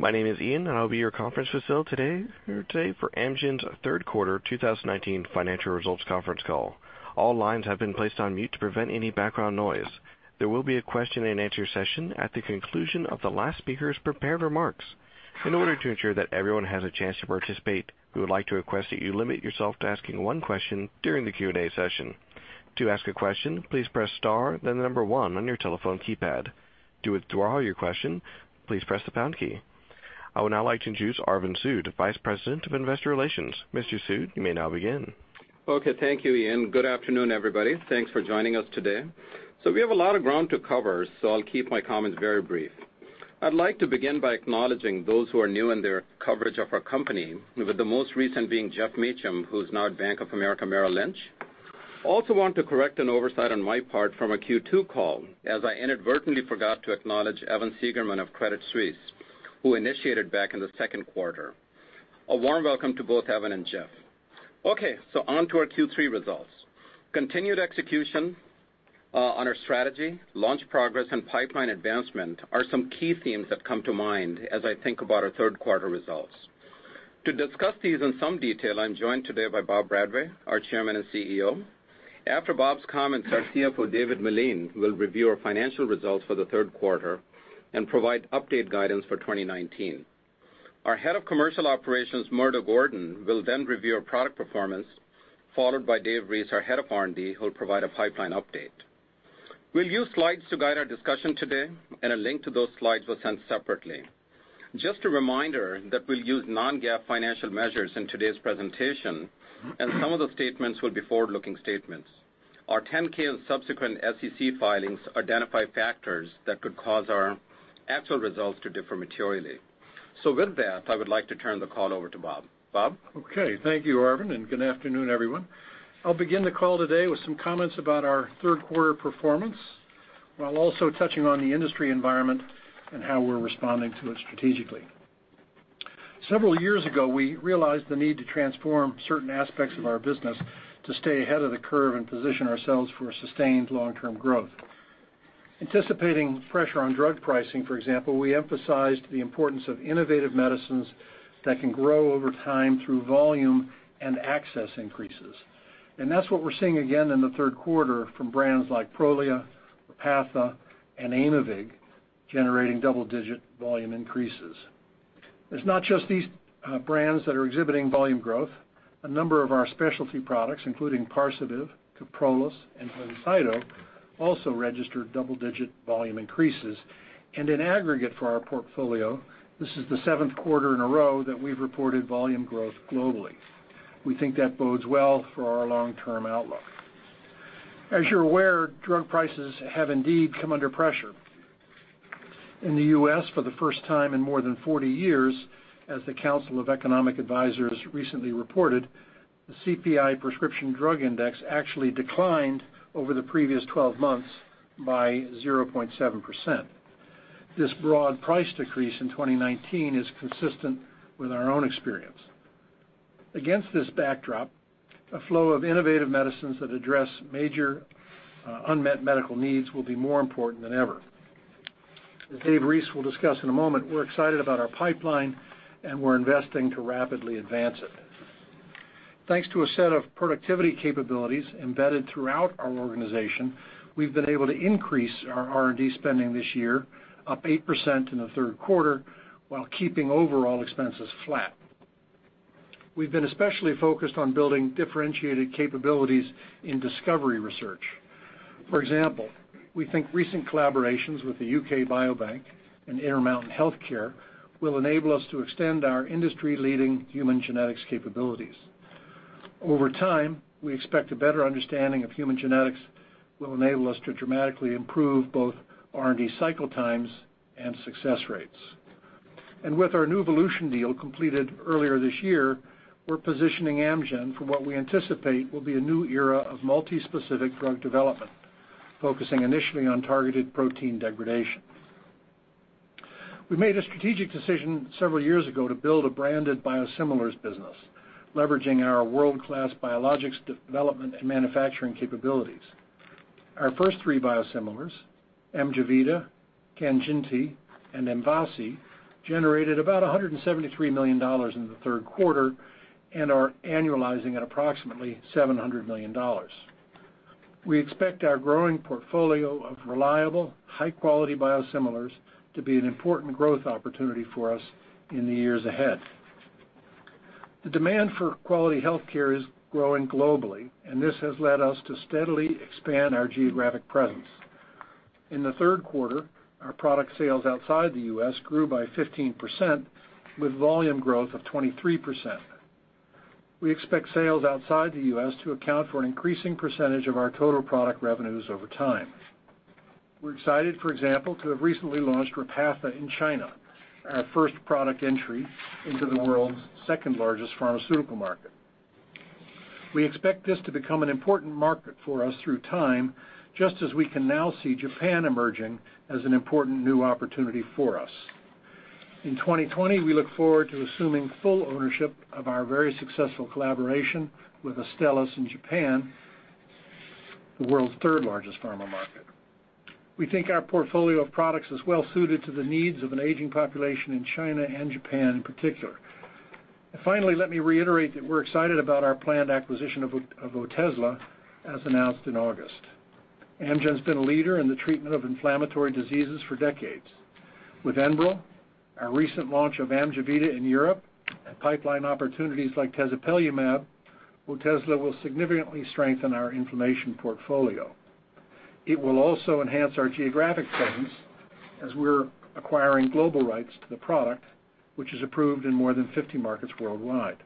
My name is Ian, and I will be your conference facility today for Amgen's third quarter 2019 financial results conference call. All lines have been placed on mute to prevent any background noise. There will be a question and answer session at the conclusion of the last speaker's prepared remarks. In order to ensure that everyone has a chance to participate, we would like to request that you limit yourself to asking one question during the Q&A session. To ask a question, please press star then the number one on your telephone keypad. To withdraw your question, please press the pound key. I would now like to introduce Arvind Sood, Vice President of Investor Relations. Mr. Sood, you may now begin. Okay. Thank you, Ian. Good afternoon, everybody. Thanks for joining us today. We have a lot of ground to cover, so I'll keep my comments very brief. I'd like to begin by acknowledging those who are new in their coverage of our company, with the most recent being Geoff Meacham, who's now at Bank of America Merrill Lynch. Also want to correct an oversight on my part from our Q2 call, as I inadvertently forgot to acknowledge Evan Seigerman of Credit Suisse, who initiated back in the second quarter. A warm welcome to both Evan and Geoff. Okay, onto our Q3 results. Continued execution on our strategy, launch progress, and pipeline advancement are some key themes that come to mind as I think about our third quarter results. To discuss these in some detail, I'm joined today by Bob Bradway, our Chairman and CEO. After Bob's comments, our CFO, David Meline, will review our financial results for the third quarter and provide update guidance for 2019. Our Head of Commercial Operations, Murdo Gordon, will then review our product performance, followed by Dave Reese, our Head of R&D, who will provide a pipeline update. We'll use slides to guide our discussion today, and a link to those slides was sent separately. Just a reminder that we'll use non-GAAP financial measures in today's presentation, and some of the statements will be forward-looking statements. Our 10-K and subsequent SEC filings identify factors that could cause our actual results to differ materially. With that, I would like to turn the call over to Bob. Bob? Okay. Thank you, Arvind, and good afternoon, everyone. I'll begin the call today with some comments about our third quarter performance, while also touching on the industry environment and how we're responding to it strategically. Several years ago, we realized the need to transform certain aspects of our business to stay ahead of the curve and position ourselves for sustained long-term growth. Anticipating pressure on drug pricing, for example, we emphasized the importance of innovative medicines that can grow over time through volume and access increases. That's what we're seeing again in the third quarter from brands like Prolia, Repatha, and Aimovig generating double-digit volume increases. It's not just these brands that are exhibiting volume growth. A number of our specialty products, including Parsabiv, Kyprolis, and BLINCYTO, also registered double-digit volume increases, and in aggregate for our portfolio, this is the seventh quarter in a row that we've reported volume growth globally. We think that bodes well for our long-term outlook. As you're aware, drug prices have indeed come under pressure. In the U.S., for the first time in more than 40 years, as the Council of Economic Advisers recently reported, the CPI prescription drug index actually declined over the previous 12 months by 0.7%. This broad price decrease in 2019 is consistent with our own experience. Against this backdrop, a flow of innovative medicines that address major unmet medical needs will be more important than ever. As David Reese will discuss in a moment, we're excited about our pipeline and we're investing to rapidly advance it. Thanks to a set of productivity capabilities embedded throughout our organization, we've been able to increase our R&D spending this year, up 8% in the third quarter, while keeping overall expenses flat. We've been especially focused on building differentiated capabilities in discovery research. We think recent collaborations with the U.K. Biobank and Intermountain Healthcare will enable us to extend our industry-leading human genetics capabilities. Over time, we expect a better understanding of human genetics will enable us to dramatically improve both R&D cycle times and success rates. With our Nuevolution deal completed earlier this year, we're positioning Amgen for what we anticipate will be a new era of multi-specific drug development, focusing initially on targeted protein degradation. We made a strategic decision several years ago to build a branded biosimilars business, leveraging our world-class biologics development and manufacturing capabilities. Our first three biosimilars, AMJEVITA, KANJINTI, and MVASI, generated about $173 million in the third quarter and are annualizing at approximately $700 million. We expect our growing portfolio of reliable, high-quality biosimilars to be an important growth opportunity for us in the years ahead. This has led us to steadily expand our geographic presence. In the third quarter, our product sales outside the U.S. grew by 15%, with volume growth of 23%. We expect sales outside the U.S. to account for an increasing percentage of our total product revenues over time. We're excited, for example, to have recently launched Repatha in China, our first product entry into the world's second-largest pharmaceutical market. We expect this to become an important market for us through time, just as we can now see Japan emerging as an important new opportunity for us. In 2020, we look forward to assuming full ownership of our very successful collaboration with Astellas in Japan, the world's third largest pharma market. We think our portfolio of products is well suited to the needs of an aging population in China and Japan in particular. Finally, let me reiterate that we're excited about our planned acquisition of Otezla, as announced in August. Amgen's been a leader in the treatment of inflammatory diseases for decades. With ENBREL, our recent launch of AMGEVITA in Europe, and pipeline opportunities like tezepelumab, Otezla will significantly strengthen our inflammation portfolio. It will also enhance our geographic presence as we're acquiring global rights to the product, which is approved in more than 50 markets worldwide.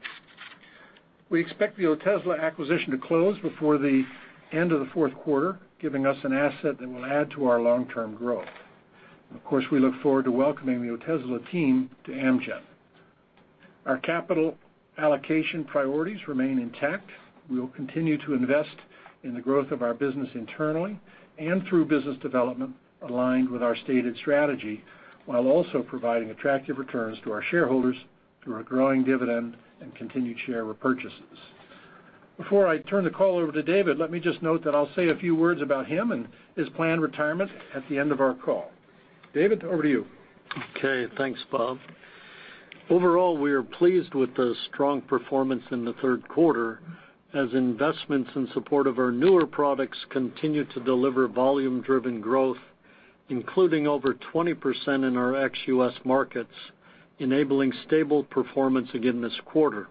We expect the Otezla acquisition to close before the end of the fourth quarter, giving us an asset that will add to our long-term growth. Of course, we look forward to welcoming the Otezla team to Amgen. Our capital allocation priorities remain intact. We will continue to invest in the growth of our business internally and through business development aligned with our stated strategy, while also providing attractive returns to our shareholders through our growing dividend and continued share repurchases. Before I turn the call over to David, let me just note that I'll say a few words about him and his planned retirement at the end of our call. David, over to you. Okay, thanks, Bob. Overall, we are pleased with the strong performance in the third quarter as investments in support of our newer products continue to deliver volume-driven growth, including over 20% in our ex-U.S. markets, enabling stable performance again this quarter.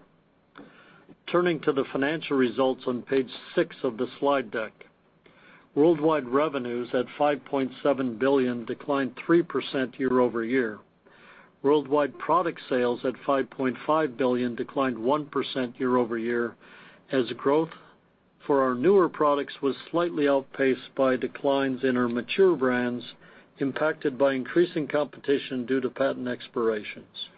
Turning to the financial results on page six of the slide deck. Worldwide revenues at $5.7 billion declined 3% year-over-year. Worldwide product sales at $5.5 billion declined 1% year-over-year. Growth for our newer products was slightly outpaced by declines in our mature brands, impacted by increasing competition due to patent expirations.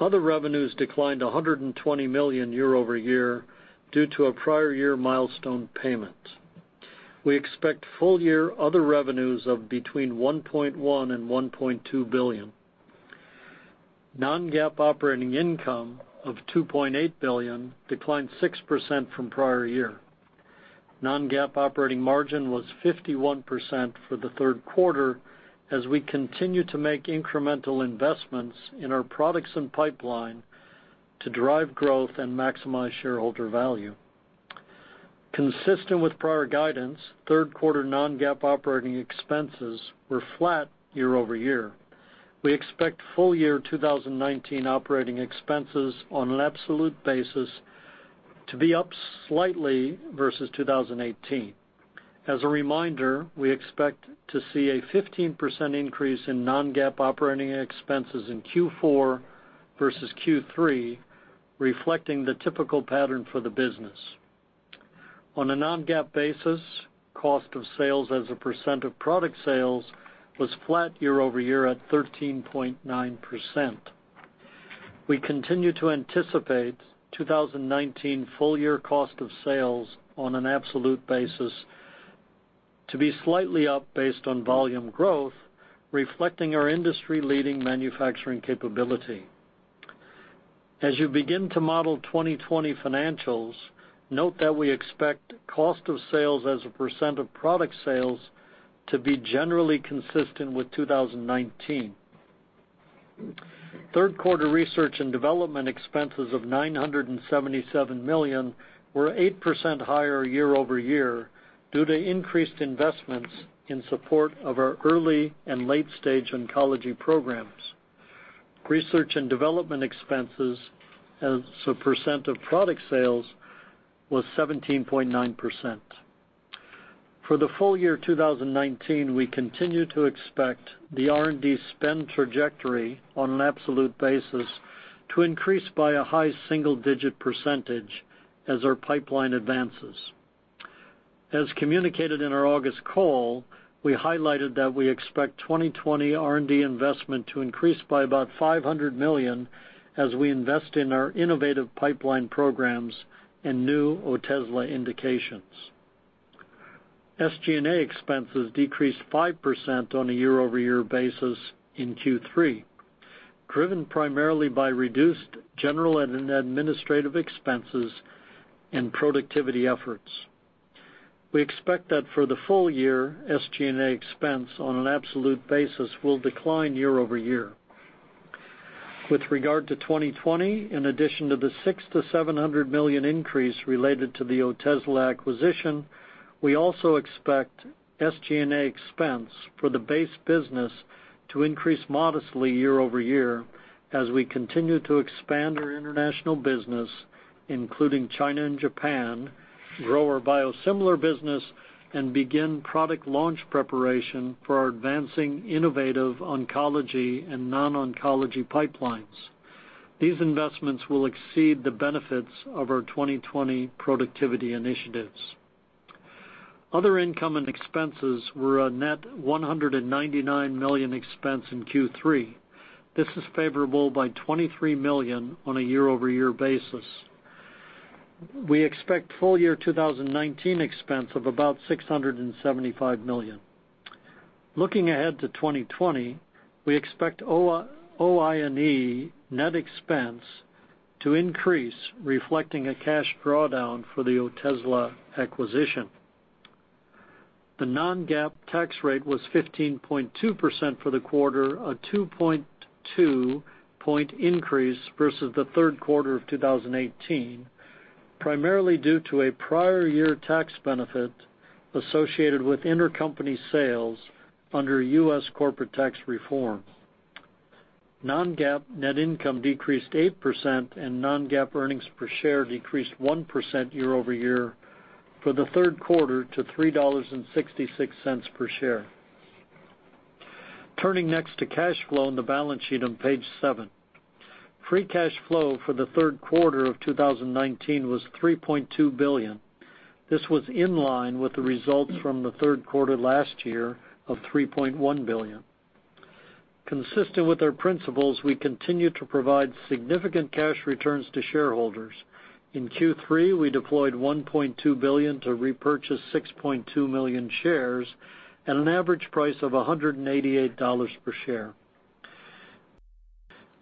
Other revenues declined $120 million year-over-year due to a prior year milestone payment. We expect full-year other revenues of between $1.1 billion and $1.2 billion. Non-GAAP operating income of $2.8 billion declined 6% from prior year. Non-GAAP operating margin was 51% for the third quarter as we continue to make incremental investments in our products and pipeline to drive growth and maximize shareholder value. Consistent with prior guidance, third quarter non-GAAP operating expenses were flat year-over-year. We expect full year 2019 operating expenses on an absolute basis to be up slightly versus 2018. As a reminder, we expect to see a 15% increase in non-GAAP operating expenses in Q4 versus Q3, reflecting the typical pattern for the business. On a non-GAAP basis, cost of sales as a percent of product sales was flat year-over-year at 13.9%. We continue to anticipate 2019 full-year cost of sales on an absolute basis to be slightly up based on volume growth, reflecting our industry-leading manufacturing capability. As you begin to model 2020 financials, note that we expect cost of sales as a % of product sales to be generally consistent with 2019. Third quarter research and development expenses of $977 million were 8% higher year-over-year due to increased investments in support of our early and late-stage oncology programs. Research and development expenses as a % of product sales was 17.9%. For the full year 2019, we continue to expect the R&D spend trajectory on an absolute basis to increase by a high single-digit % as our pipeline advances. As communicated in our August call, we highlighted that we expect 2020 R&D investment to increase by about $500 million as we invest in our innovative pipeline programs and new Otezla indications. SG&A expenses decreased 5% on a year-over-year basis in Q3, driven primarily by reduced general and administrative expenses and productivity efforts. We expect that for the full year, SG&A expense on an absolute basis will decline year-over-year. With regard to 2020, in addition to the $600 million-$700 million increase related to the Otezla acquisition, we also expect SG&A expense for the base business to increase modestly year-over-year as we continue to expand our international business, including China and Japan, grow our biosimilar business, and begin product launch preparation for our advancing innovative oncology and non-oncology pipelines. These investments will exceed the benefits of our 2020 productivity initiatives. Other income and expenses were a net $199 million expense in Q3. This is favorable by $23 million on a year-over-year basis. We expect full year 2019 expense of about $675 million. Looking ahead to 2020, we expect OINE net expense to increase, reflecting a cash drawdown for the Otezla acquisition. The non-GAAP tax rate was 15.2% for the quarter, a 2.2 point increase versus the third quarter of 2018, primarily due to a prior year tax benefit associated with intercompany sales under U.S. corporate tax reform. Non-GAAP net income decreased 8% and non-GAAP earnings per share decreased 1% year-over-year for the third quarter to $3.66 per share. Turning next to cash flow and the balance sheet on page seven. Free cash flow for the third quarter of 2019 was $3.2 billion. This was in line with the results from the third quarter last year of $3.1 billion. Consistent with our principles, we continue to provide significant cash returns to shareholders. In Q3, we deployed $1.2 billion to repurchase 6.2 million shares at an average price of $188 per share.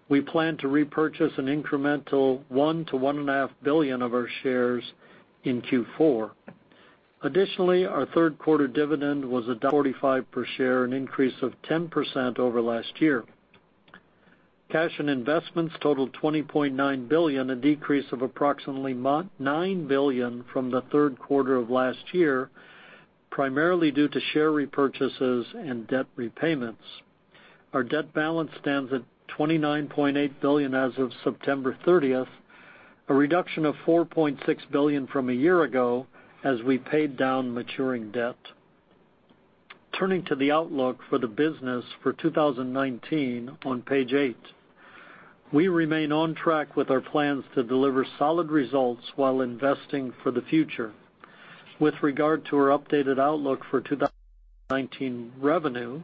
We plan to repurchase an incremental $1 billion-$1.5 billion of our shares in Q4. Additionally, our third quarter dividend was $1.45 per share, an increase of 10% over last year. Cash and investments totaled $20.9 billion, a decrease of approximately $9 billion from the third quarter of last year, primarily due to share repurchases and debt repayments. Our debt balance stands at $29.8 billion as of September 30th, a reduction of $4.6 billion from a year ago as we paid down maturing debt. Turning to the outlook for the business for 2019 on page eight. We remain on track with our plans to deliver solid results while investing for the future. With regard to our updated outlook for 2019 revenue,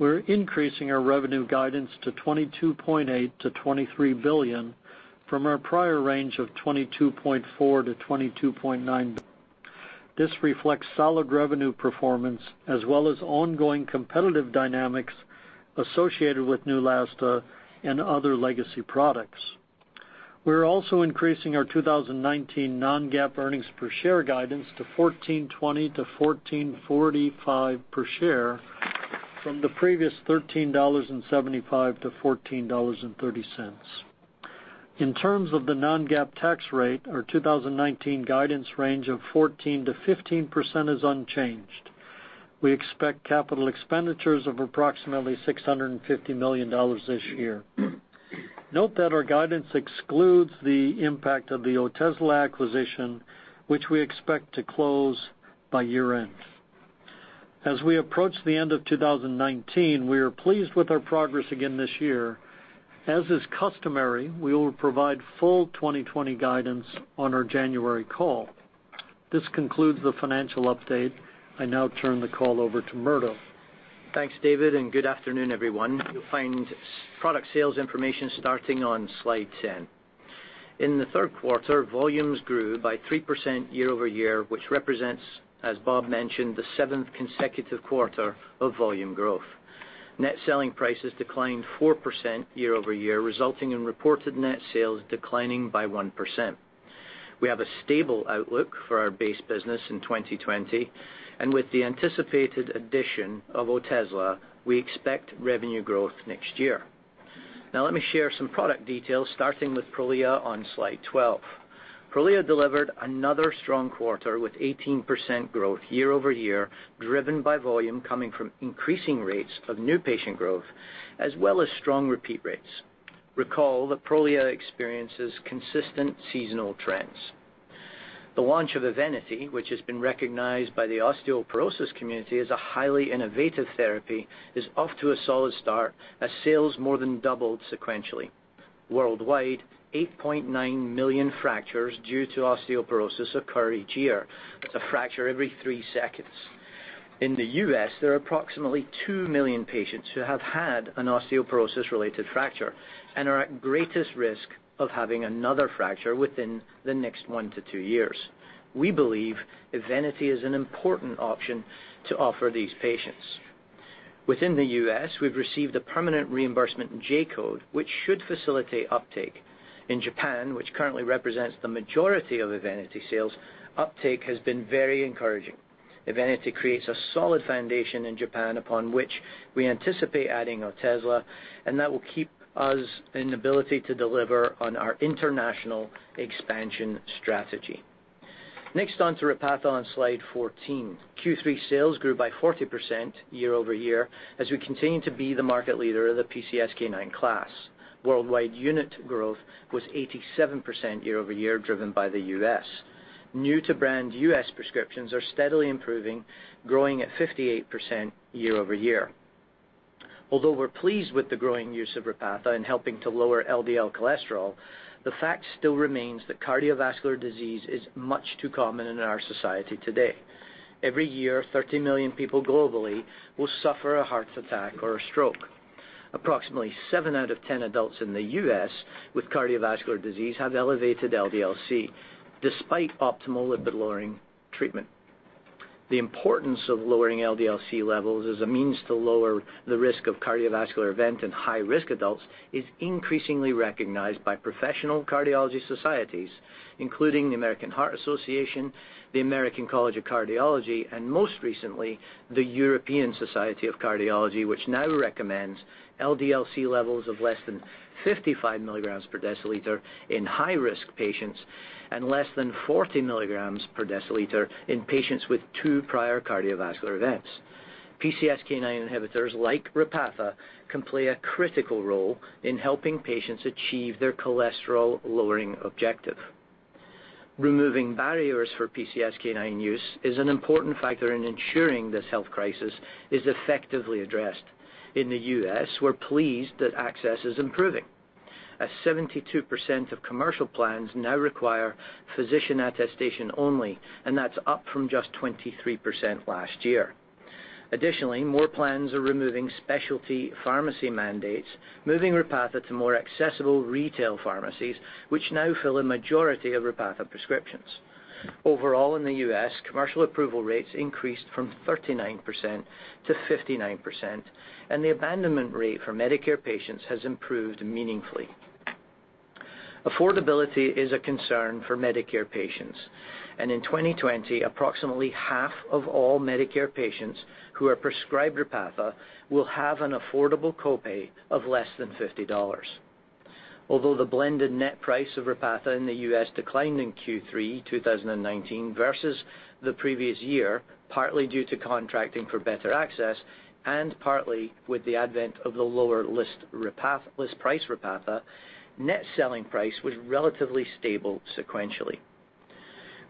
we're increasing our revenue guidance to $22.8 billion-$23 billion from our prior range of $22.4 billion-$22.9 billion. This reflects solid revenue performance as well as ongoing competitive dynamics associated with Neulasta and other legacy products. We're also increasing our 2019 non-GAAP earnings per share guidance to $14.20-$14.45 per share from the previous $13.75-$14.30. In terms of the non-GAAP tax rate, our 2019 guidance range of 14%-15% is unchanged. We expect capital expenditures of approximately $650 million this year. Note that our guidance excludes the impact of the Otezla acquisition, which we expect to close by year-end. As we approach the end of 2019, we are pleased with our progress again this year. As is customary, we will provide full 2020 guidance on our January call. This concludes the financial update. I now turn the call over to Murdo. Thanks, David, and good afternoon, everyone. You'll find product sales information starting on slide 10. In the third quarter, volumes grew by 3% year-over-year, which represents, as Bob mentioned, the seventh consecutive quarter of volume growth. Net selling prices declined 4% year-over-year, resulting in reported net sales declining by 1%. We have a stable outlook for our base business in 2020, and with the anticipated addition of Otezla, we expect revenue growth next year. Now let me share some product details, starting with Prolia on slide 12. Prolia delivered another strong quarter with 18% growth year-over-year, driven by volume coming from increasing rates of new patient growth, as well as strong repeat rates. Recall that Prolia experiences consistent seasonal trends. The launch of Evenity, which has been recognized by the osteoporosis community as a highly innovative therapy, is off to a solid start as sales more than doubled sequentially. Worldwide, 8.9 million fractures due to osteoporosis occur each year. That's a fracture every three seconds. In the U.S., there are approximately 2 million patients who have had an osteoporosis-related fracture and are at greatest risk of having another fracture within the next 1-2 years. We believe Evenity is an important option to offer these patients. Within the U.S., we've received a permanent reimbursement J code, which should facilitate uptake. In Japan, which currently represents the majority of Evenity sales, uptake has been very encouraging. Evenity creates a solid foundation in Japan upon which we anticipate adding Otezla. That will keep us in ability to deliver on our international expansion strategy. Next on to Repatha on slide 14. Q3 sales grew by 40% year-over-year as we continue to be the market leader of the PCSK9 class. Worldwide unit growth was 87% year-over-year, driven by the U.S. New to brand U.S. prescriptions are steadily improving, growing at 58% year-over-year. Although we're pleased with the growing use of Repatha in helping to lower LDL cholesterol, the fact still remains that cardiovascular disease is much too common in our society today. Every year, 30 million people globally will suffer a heart attack or a stroke. Approximately seven out of 10 adults in the U.S. with cardiovascular disease have elevated LDL-C despite optimal lipid-lowering treatment. The importance of lowering LDL-C levels as a means to lower the risk of cardiovascular event in high-risk adults is increasingly recognized by professional cardiology societies, including the American Heart Association, the American College of Cardiology, and most recently, the European Society of Cardiology. Which now recommends LDL-C levels of less than 55 milligrams per deciliter in high-risk patients and less than 40 milligrams per deciliter in patients with two prior cardiovascular events. PCSK9 inhibitors like Repatha can play a critical role in helping patients achieve their cholesterol-lowering objective. Removing barriers for PCSK9 use is an important factor in ensuring this health crisis is effectively addressed. In the U.S., we're pleased that access is improving, as 72% of commercial plans now require physician attestation only, and that's up from just 23% last year. Additionally, more plans are removing specialty pharmacy mandates, moving Repatha to more accessible retail pharmacies, which now fill a majority of Repatha prescriptions. Overall, in the U.S., commercial approval rates increased from 39% to 59%, and the abandonment rate for Medicare patients has improved meaningfully. Affordability is a concern for Medicare patients, and in 2020, approximately half of all Medicare patients who are prescribed Repatha will have an affordable copay of less than $50. Although the blended net price of Repatha in the U.S. declined in Q3 2019 versus the previous year, partly due to contracting for better access and partly with the advent of the lower list price Repatha, net selling price was relatively stable sequentially.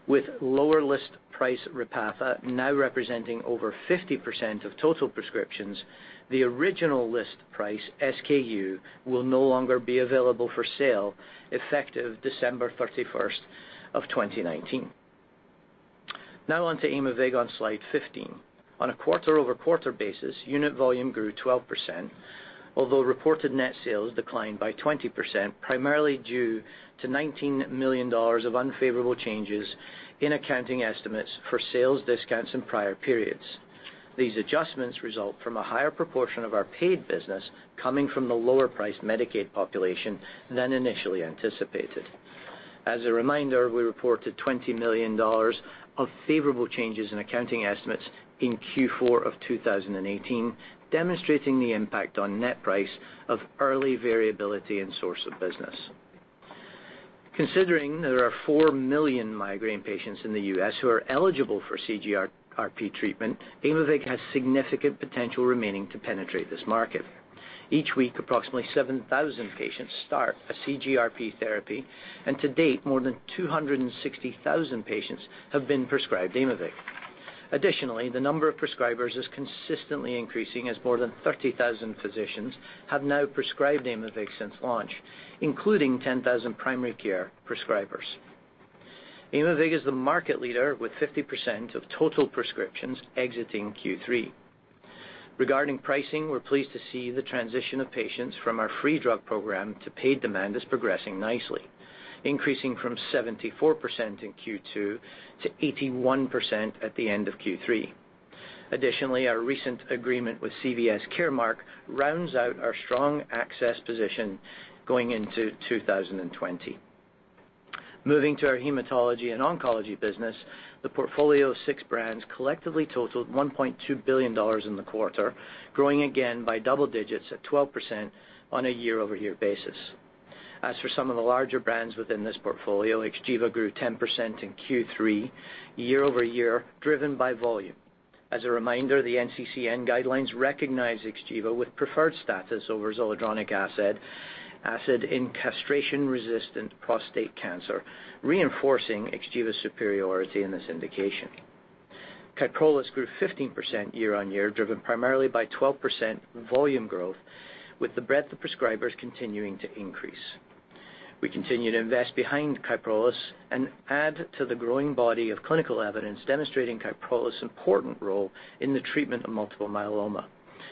With lower list price Repatha now representing over 50% of total prescriptions, the original list price SKU will no longer be available for sale effective December 31st of 2019. On to Aimovig on slide 15. On a quarter-over-quarter basis, unit volume grew 12%, although reported net sales declined by 20%, primarily due to $19 million of unfavorable changes in accounting estimates for sales discounts in prior periods. These adjustments result from a higher proportion of our paid business coming from the lower-priced Medicaid population than initially anticipated. As a reminder, we reported $20 million of favorable changes in accounting estimates in Q4 of 2018, demonstrating the impact on net price of early variability and source of business. Considering there are 4 million migraine patients in the U.S. who are eligible for CGRP treatment, Aimovig has significant potential remaining to penetrate this market. Each week, approximately 7,000 patients start a CGRP therapy, and to date, more than 260,000 patients have been prescribed Aimovig. Additionally, the number of prescribers is consistently increasing as more than 30,000 physicians have now prescribed Aimovig since launch, including 10,000 primary care prescribers. Aimovig is the market leader with 50% of total prescriptions exiting Q3. Regarding pricing, we're pleased to see the transition of patients from our free drug program to paid demand is progressing nicely, increasing from 74% in Q2 to 81% at the end of Q3. Additionally, our recent agreement with CVS Caremark rounds out our strong access position going into 2020. Moving to our hematology and oncology business, the portfolio of six brands collectively totaled $1.2 billion in the quarter, growing again by double digits at 12% on a year-over-year basis. As for some of the larger brands within this portfolio, XGEVA grew 10% in Q3 year-over-year, driven by volume. As a reminder, the NCCN guidelines recognize XGEVA with preferred status over zoledronic acid in castration-resistant prostate cancer, reinforcing XGEVA's superiority in this indication. KYPROLIS grew 15% year-on-year, driven primarily by 12% volume growth with the breadth of prescribers continuing to increase. We continue to invest behind KYPROLIS and add to the growing body of clinical evidence demonstrating KYPROLIS' important role in the treatment of multiple myeloma,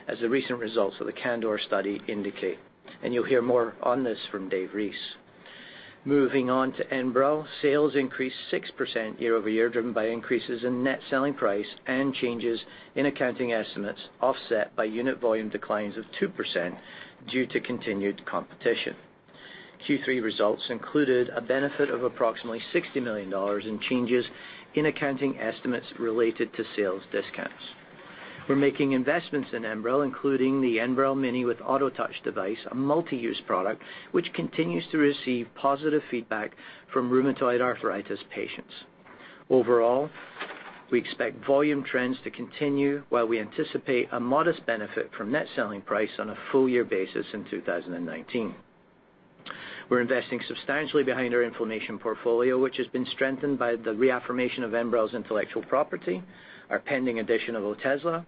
as the recent results of the CANDOR study indicate, and you'll hear more on this from Dave Reese. Moving on to ENBREL. Sales increased 6% year-over-year, driven by increases in net selling price and changes in accounting estimates, offset by unit volume declines of 2% due to continued competition. Q3 results included a benefit of approximately $60 million in changes in accounting estimates related to sales discounts. We're making investments in ENBREL, including the ENBREL Mini with AutoTouch device, a multi-use product which continues to receive positive feedback from rheumatoid arthritis patients. Overall, we expect volume trends to continue, while we anticipate a modest benefit from net selling price on a full-year basis in 2019. We're investing substantially behind our inflammation portfolio, which has been strengthened by the reaffirmation of ENBREL's intellectual property, our pending addition of Otezla,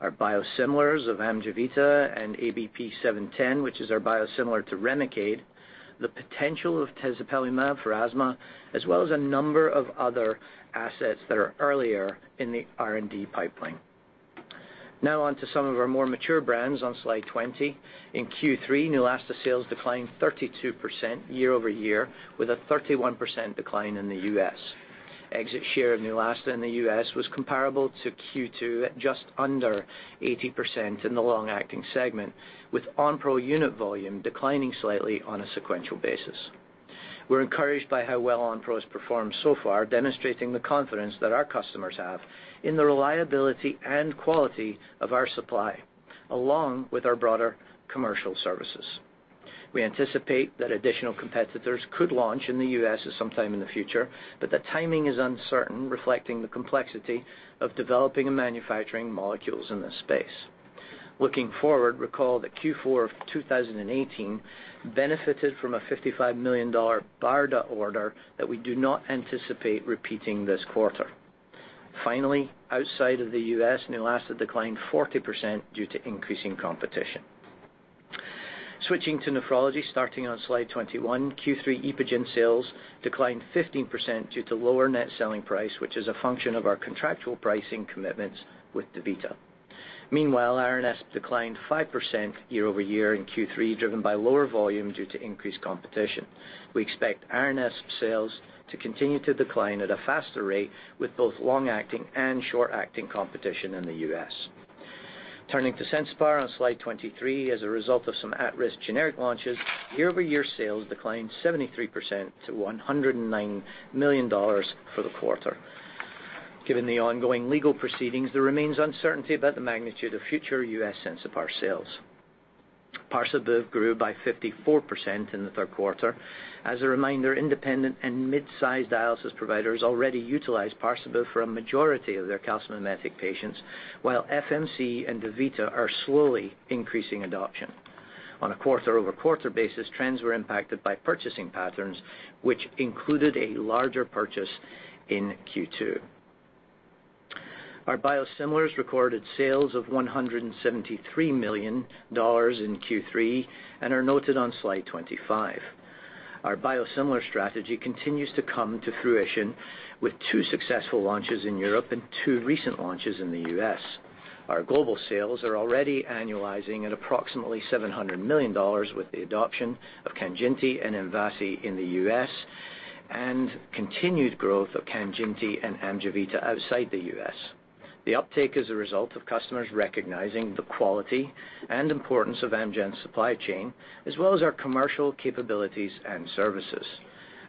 our biosimilars of AMGEVITA and ABP 710, which is our biosimilar to REMICADE, the potential of tezepelumab for asthma, as well as a number of other assets that are earlier in the R&D pipeline. Now on to some of our more mature brands on Slide 20. In Q3, Neulasta sales declined 32% year-over-year with a 31% decline in the U.S. Exit share of Neulasta in the U.S. was comparable to Q2 at just under 80% in the long-acting segment, with Onpro unit volume declining slightly on a sequential basis. We're encouraged by how well Onpro has performed so far, demonstrating the confidence that our customers have in the reliability and quality of our supply, along with our broader commercial services. We anticipate that additional competitors could launch in the U.S. at sometime in the future, the timing is uncertain, reflecting the complexity of developing and manufacturing molecules in this space. Looking forward, recall that Q4 of 2018 benefited from a $55 million BARDA order that we do not anticipate repeating this quarter. Outside of the U.S., Neulasta declined 40% due to increasing competition. Switching to nephrology, starting on Slide 21. Q3 EPOGEN sales declined 15% due to lower net selling price, which is a function of our contractual pricing commitments with DaVita. Meanwhile, Aranesp declined 5% year-over-year in Q3, driven by lower volume due to increased competition. We expect Aranesp sales to continue to decline at a faster rate with both long-acting and short-acting competition in the U.S. Turning to Sensipar on Slide 23. As a result of some at-risk generic launches, year-over-year sales declined 73% to $109 million for the quarter. Given the ongoing legal proceedings, there remains uncertainty about the magnitude of future U.S. Sensipar sales. Parsabiv grew by 54% in the third quarter. As a reminder, independent and mid-sized dialysis providers already utilize Parsabiv for a majority of their calcimimetic patients, while FMC and DaVita are slowly increasing adoption. On a quarter-over-quarter basis, trends were impacted by purchasing patterns, which included a larger purchase in Q2. Our biosimilars recorded sales of $173 million in Q3 and are noted on Slide 25. Our biosimilar strategy continues to come to fruition with two successful launches in Europe and two recent launches in the U.S. Our global sales are already annualizing at approximately $700 million with the adoption of KANJINTI and MVASI in the U.S. and continued growth of KANJINTI and AMJEVITA outside the U.S. The uptake is a result of customers recognizing the quality and importance of Amgen's supply chain, as well as our commercial capabilities and services.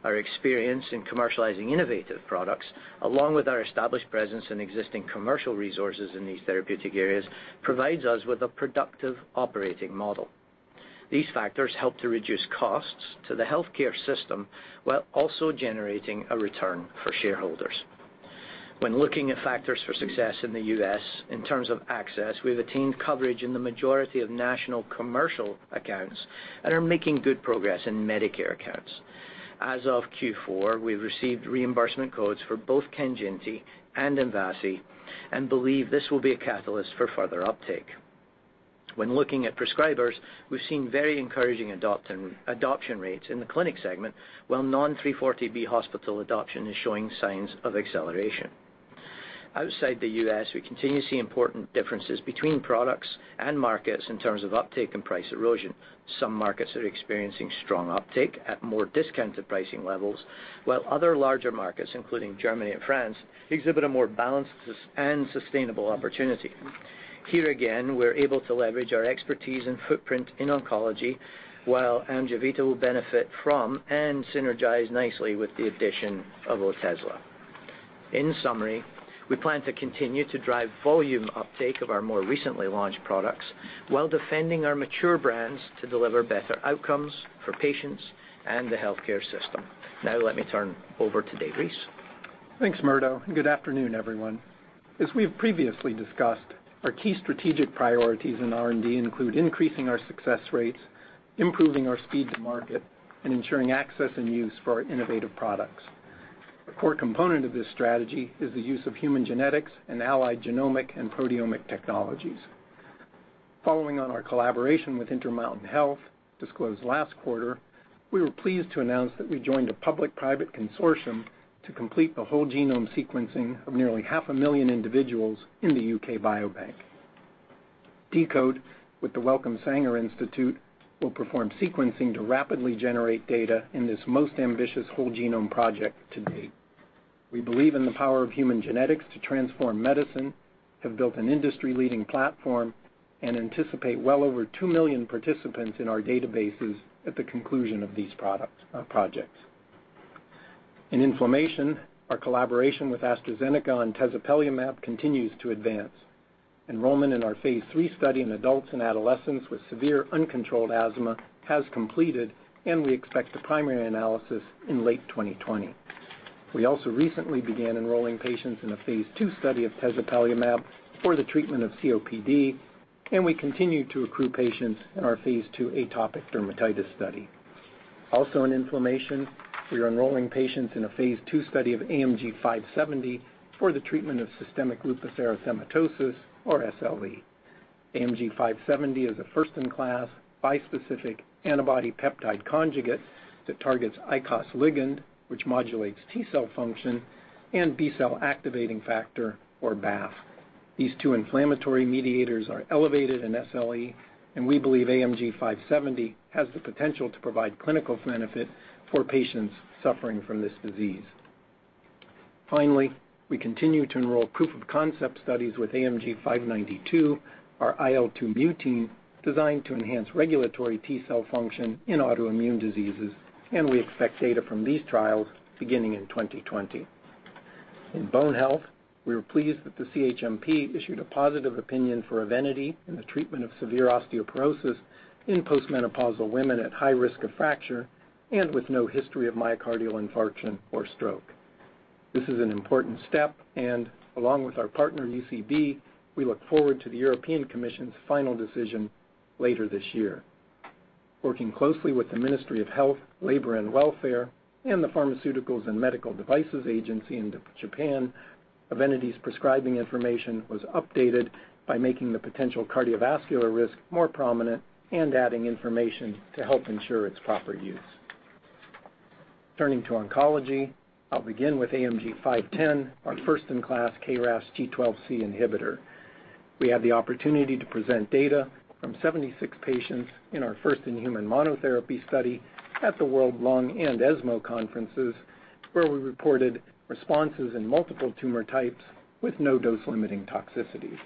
Our experience in commercializing innovative products, along with our established presence and existing commercial resources in these therapeutic areas, provides us with a productive operating model. These factors help to reduce costs to the healthcare system while also generating a return for shareholders. When looking at factors for success in the U.S. in terms of access, we've attained coverage in the majority of national commercial accounts and are making good progress in Medicare accounts. As of Q4, we've received reimbursement codes for both KANJINTI and MVASI and believe this will be a catalyst for further uptake. When looking at prescribers, we've seen very encouraging adoption rates in the clinic segment, while non-340B hospital adoption is showing signs of acceleration. Outside the U.S., we continue to see important differences between products and markets in terms of uptake and price erosion. Some markets are experiencing strong uptake at more discounted pricing levels, while other larger markets, including Germany and France, exhibit a more balanced and sustainable opportunity. Here again, we're able to leverage our expertise and footprint in oncology, while AMJEVITA will benefit from and synergize nicely with the addition of Otezla. In summary, we plan to continue to drive volume uptake of our more recently launched products while defending our mature brands to deliver better outcomes for patients and the healthcare system. Now let me turn over to Dave Reese. Thanks, Murdo, and good afternoon, everyone. As we have previously discussed, our key strategic priorities in R&D include increasing our success rates, improving our speed to market, and ensuring access and use for our innovative products. A core component of this strategy is the use of human genetics and allied genomic and proteomic technologies. Following on our collaboration with Intermountain Healthcare, disclosed last quarter, we were pleased to announce that we joined a public-private consortium to complete the whole genome sequencing of nearly half a million individuals in the UK Biobank. deCODE with the Wellcome Sanger Institute will perform sequencing to rapidly generate data in this most ambitious whole genome project to date. We believe in the power of human genetics to transform medicine, have built an industry-leading platform, and anticipate well over 2 million participants in our databases at the conclusion of these projects. In inflammation, our collaboration with AstraZeneca on tezepelumab continues to advance. Enrollment in our phase III study in adults and adolescents with severe uncontrolled asthma has completed, and we expect the primary analysis in late 2020. We also recently began enrolling patients in a phase II study of tezepelumab for the treatment of COPD, and we continue to accrue patients in our phase II atopic dermatitis study. Also in inflammation, we are enrolling patients in a phase II study of AMG 570 for the treatment of systemic lupus erythematosus, or SLE. AMG 570 is a first-in-class bispecific antibody peptide conjugate that targets ICOS ligand, which modulates T cell function and B cell activating factor, or BAFF. These two inflammatory mediators are elevated in SLE, and we believe AMG 570 has the potential to provide clinical benefit for patients suffering from this disease. Finally, we continue to enroll proof of concept studies with AMG 592, our IL-2 mutein designed to enhance regulatory T cell function in autoimmune diseases, and we expect data from these trials beginning in 2020. In bone health, we were pleased that the CHMP issued a positive opinion for EVENITY in the treatment of severe osteoporosis in post-menopausal women at high risk of fracture and with no history of myocardial infarction or stroke. This is an important step, and along with our partner, UCB, we look forward to the European Commission's final decision later this year. Working closely with the Ministry of Health, Labour, and Welfare, and the Pharmaceuticals and Medical Devices Agency in Japan, EVENITY's prescribing information was updated by making the potential cardiovascular risk more prominent and adding information to help ensure its proper use. Turning to oncology, I'll begin with AMG 510, our first-in-class KRAS G12C inhibitor. We had the opportunity to present data from 76 patients in our first-in-human monotherapy study at the World Lung and ESMO conferences, where we reported responses in multiple tumor types with no dose-limiting toxicities.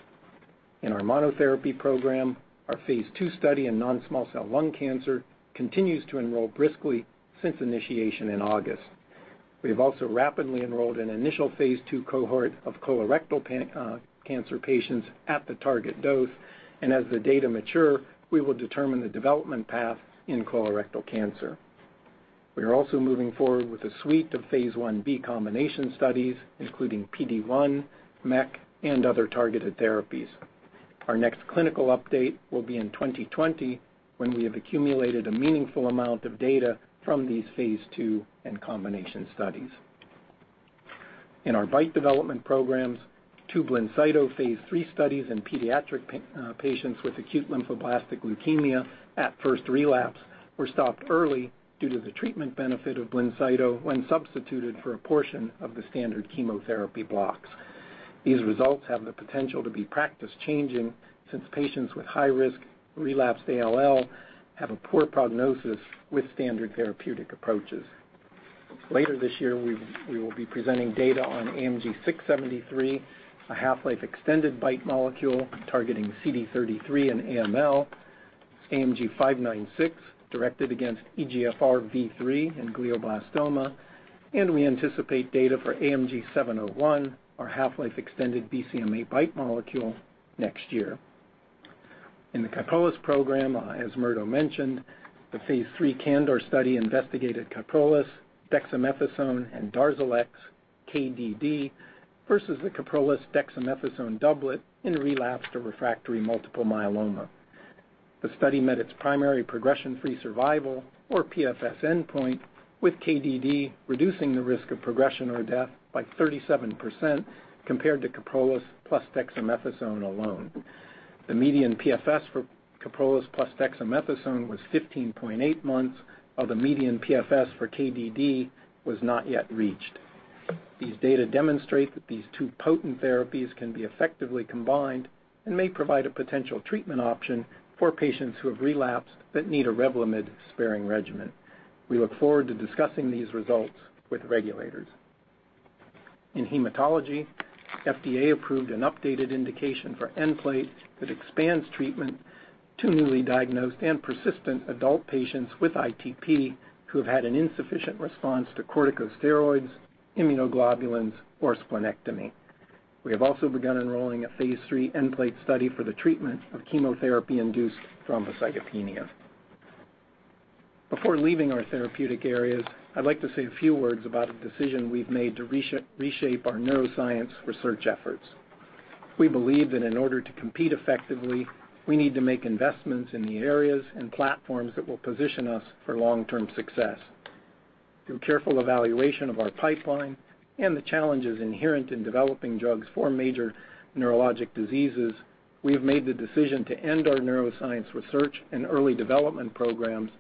In our monotherapy program, our phase II study in non-small cell lung cancer continues to enroll briskly since initiation in August. We have also rapidly enrolled an initial phase II cohort of colorectal cancer patients at the target dose, and as the data mature, we will determine the development path in colorectal cancer. We are also moving forward with a suite of phase I-B combination studies, including PD-1, MEK, and other targeted therapies. Our next clinical update will be in 2020 when we have accumulated a meaningful amount of data from these phase II and combination studies. In our BiTE development programs, two BLINCYTO phase III studies in pediatric patients with acute lymphoblastic leukemia at first relapse were stopped early due to the treatment benefit of BLINCYTO when substituted for a portion of the standard chemotherapy blocks. These results have the potential to be practice-changing, since patients with high-risk relapsed ALL have a poor prognosis with standard therapeutic approaches. Later this year, we will be presenting data on AMG 673, a half-life extended BiTE molecule targeting CD33 and AML, AMG 596, directed against EGFRvIII in glioblastoma, and we anticipate data for AMG 701, our half-life extended BCMA BiTE molecule, next year. In the KYPROLIS program, as Murdo mentioned, the phase III CANDOR study investigated KYPROLIS, dexamethasone, and DARZALEX, KDD, versus the KYPROLIS-dexamethasone doublet in relapsed or refractory multiple myeloma. The study met its primary progression-free survival, or PFS endpoint, with KDD reducing the risk of progression or death by 37% compared to KYPROLIS plus dexamethasone alone. The median PFS for KYPROLIS plus dexamethasone was 15.8 months, while the median PFS for KDD was not yet reached. These data demonstrate that these two potent therapies can be effectively combined and may provide a potential treatment option for patients who have relapsed but need a REVLIMID-sparing regimen. We look forward to discussing these results with regulators. In hematology, FDA approved an updated indication for Nplate that expands treatment to newly diagnosed and persistent adult patients with ITP who have had an insufficient response to corticosteroids, immunoglobulins, or splenectomy. We have also begun enrolling a phase III Nplate study for the treatment of chemotherapy-induced thrombocytopenia. Before leaving our therapeutic areas, I'd like to say a few words about a decision we've made to reshape our neuroscience research efforts. We believe that in order to compete effectively, we need to make investments in the areas and platforms that will position us for long-term success. Through careful evaluation of our pipeline and the challenges inherent in developing drugs for major neurologic diseases, we have made the decision to end our neuroscience research and early development programs,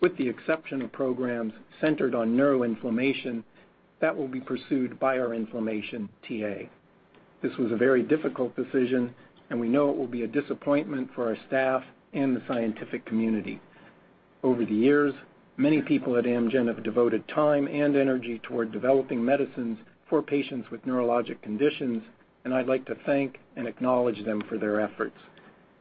with the exception of programs centered on neuroinflammation that will be pursued by our inflammation TA. This was a very difficult decision, and we know it will be a disappointment for our staff and the scientific community. Over the years, many people at Amgen have devoted time and energy toward developing medicines for patients with neurologic conditions, and I'd like to thank and acknowledge them for their efforts.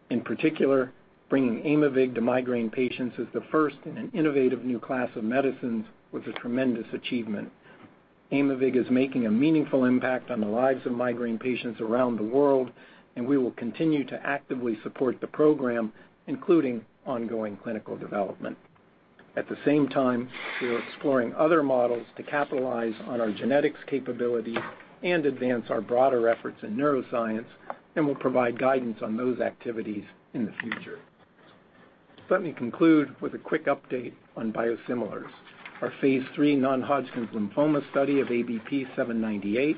In particular, bringing Aimovig to migraine patients as the first in an innovative new class of medicines was a tremendous achievement. Aimovig is making a meaningful impact on the lives of migraine patients around the world. We will continue to actively support the program, including ongoing clinical development. At the same time, we are exploring other models to capitalize on our genetics capabilities and advance our broader efforts in neuroscience. We'll provide guidance on those activities in the future. Let me conclude with a quick update on biosimilars. Our phase III non-Hodgkin's lymphoma study of ABP-798,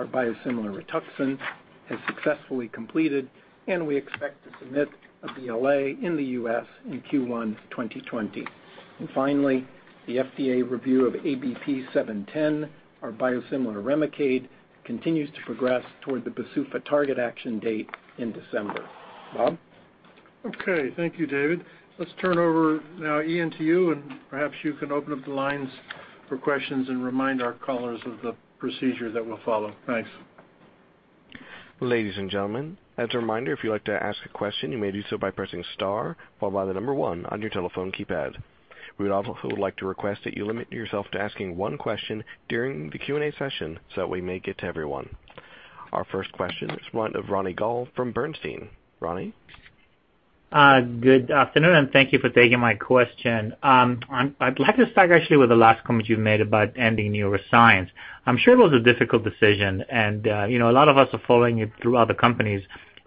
our biosimilar Rituxan, has successfully completed. We expect to submit a BLA in the U.S. in Q1 2020. Finally, the FDA review of ABP-710, our biosimilar Remicade, continues to progress toward the PDUFA target action date in December. Bob? Okay. Thank you, David. Let's turn over now, Ian, to you, and perhaps you can open up the lines for questions and remind our callers of the procedure that we'll follow. Thanks. Ladies and gentlemen, as a reminder, if you'd like to ask a question, you may do so by pressing star or by the number 1 on your telephone keypad. We would also like to request that you limit yourself to asking one question during the Q&A session so that we may get to everyone. Our first question is one of Ronny Gal from Bernstein. Ronny? Good afternoon, and thank you for taking my question. I'd like to start actually with the last comment you made about ending neuroscience. I'm sure it was a difficult decision, and a lot of us are following it through other companies,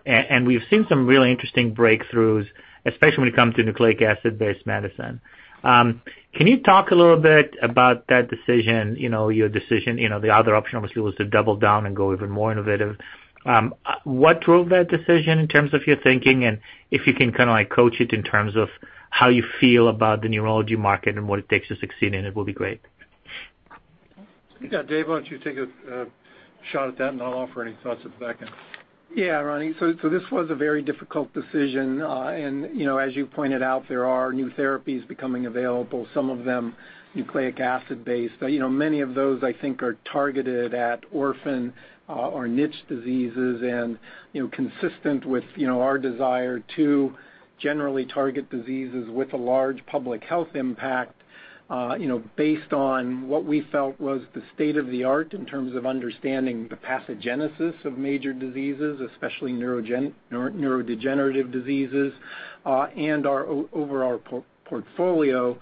and we've seen some really interesting breakthroughs, especially when it comes to nucleic acid-based medicine. Can you talk a little bit about that decision, your decision? The other option, obviously, was to double down and go even more innovative. What drove that decision in terms of your thinking? If you can kind of coach it in terms of how you feel about the neurology market and what it takes to succeed in it, will be great. Dave, why don't you take a shot at that, and I'll offer any thoughts at the back end. Yeah, Ronny. This was a very difficult decision, and as you pointed out, there are new therapies becoming available, some of them nucleic acid based. Many of those, I think, are targeted at orphan or niche diseases and consistent with our desire to generally target diseases with a large public health impact based on what we felt was the state of the art in terms of understanding the pathogenesis of major diseases, especially neurodegenerative diseases, and over our portfolio,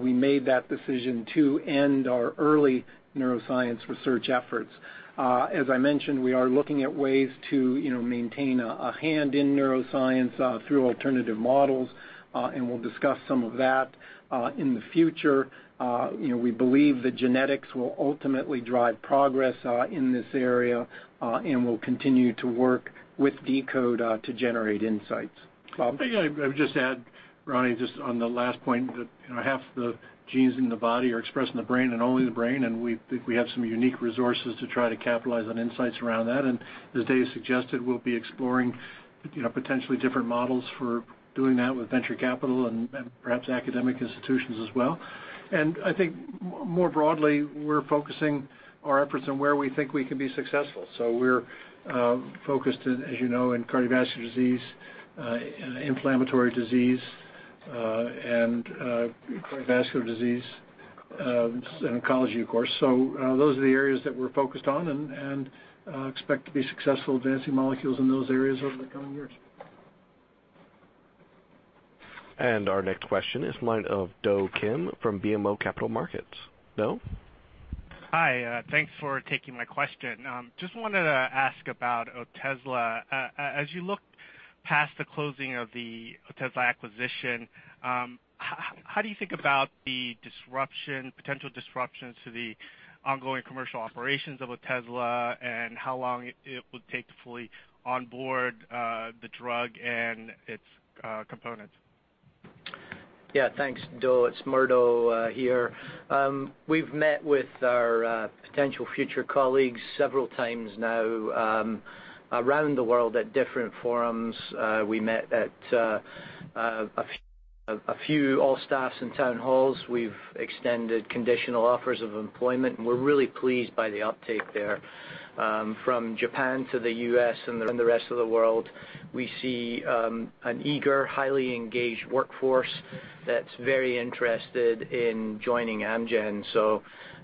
we made that decision to end our early neuroscience research efforts. As I mentioned, we are looking at ways to maintain a hand in neuroscience, through alternative models, and we'll discuss some of that in the future. We believe that genetics will ultimately drive progress in this area, and we'll continue to work with deCODE to generate insights. Bob? Yeah, I would just add, Ronny, just on the last point, that half the genes in the body are expressed in the brain and only the brain. We think we have some unique resources to try to capitalize on insights around that. As Dave suggested, we'll be exploring potentially different models for doing that with venture capital and perhaps academic institutions as well. I think more broadly, we're focusing our efforts on where we think we can be successful. We're focused, as you know, in cardiovascular disease, inflammatory disease, and cardiovascular disease, and oncology, of course. Those are the areas that we're focused on and expect to be successful advancing molecules in those areas over the coming years. Our next question is a line of Do Kim from BMO Capital Markets. Do? Hi, thanks for taking my question. Just wanted to ask about Otezla. As you look past the closing of the Otezla acquisition, how do you think about the potential disruptions to the ongoing commercial operations of Otezla and how long it will take to fully onboard the drug and its components? Yeah, thanks, Do. It's Murdo here. We've met with our potential future colleagues several times now around the world at different forums. We met at a few all staffs and town halls. We've extended conditional offers of employment, and we're really pleased by the uptake there. From Japan to the U.S. and the rest of the world, we see an eager, highly engaged workforce that's very interested in joining Amgen.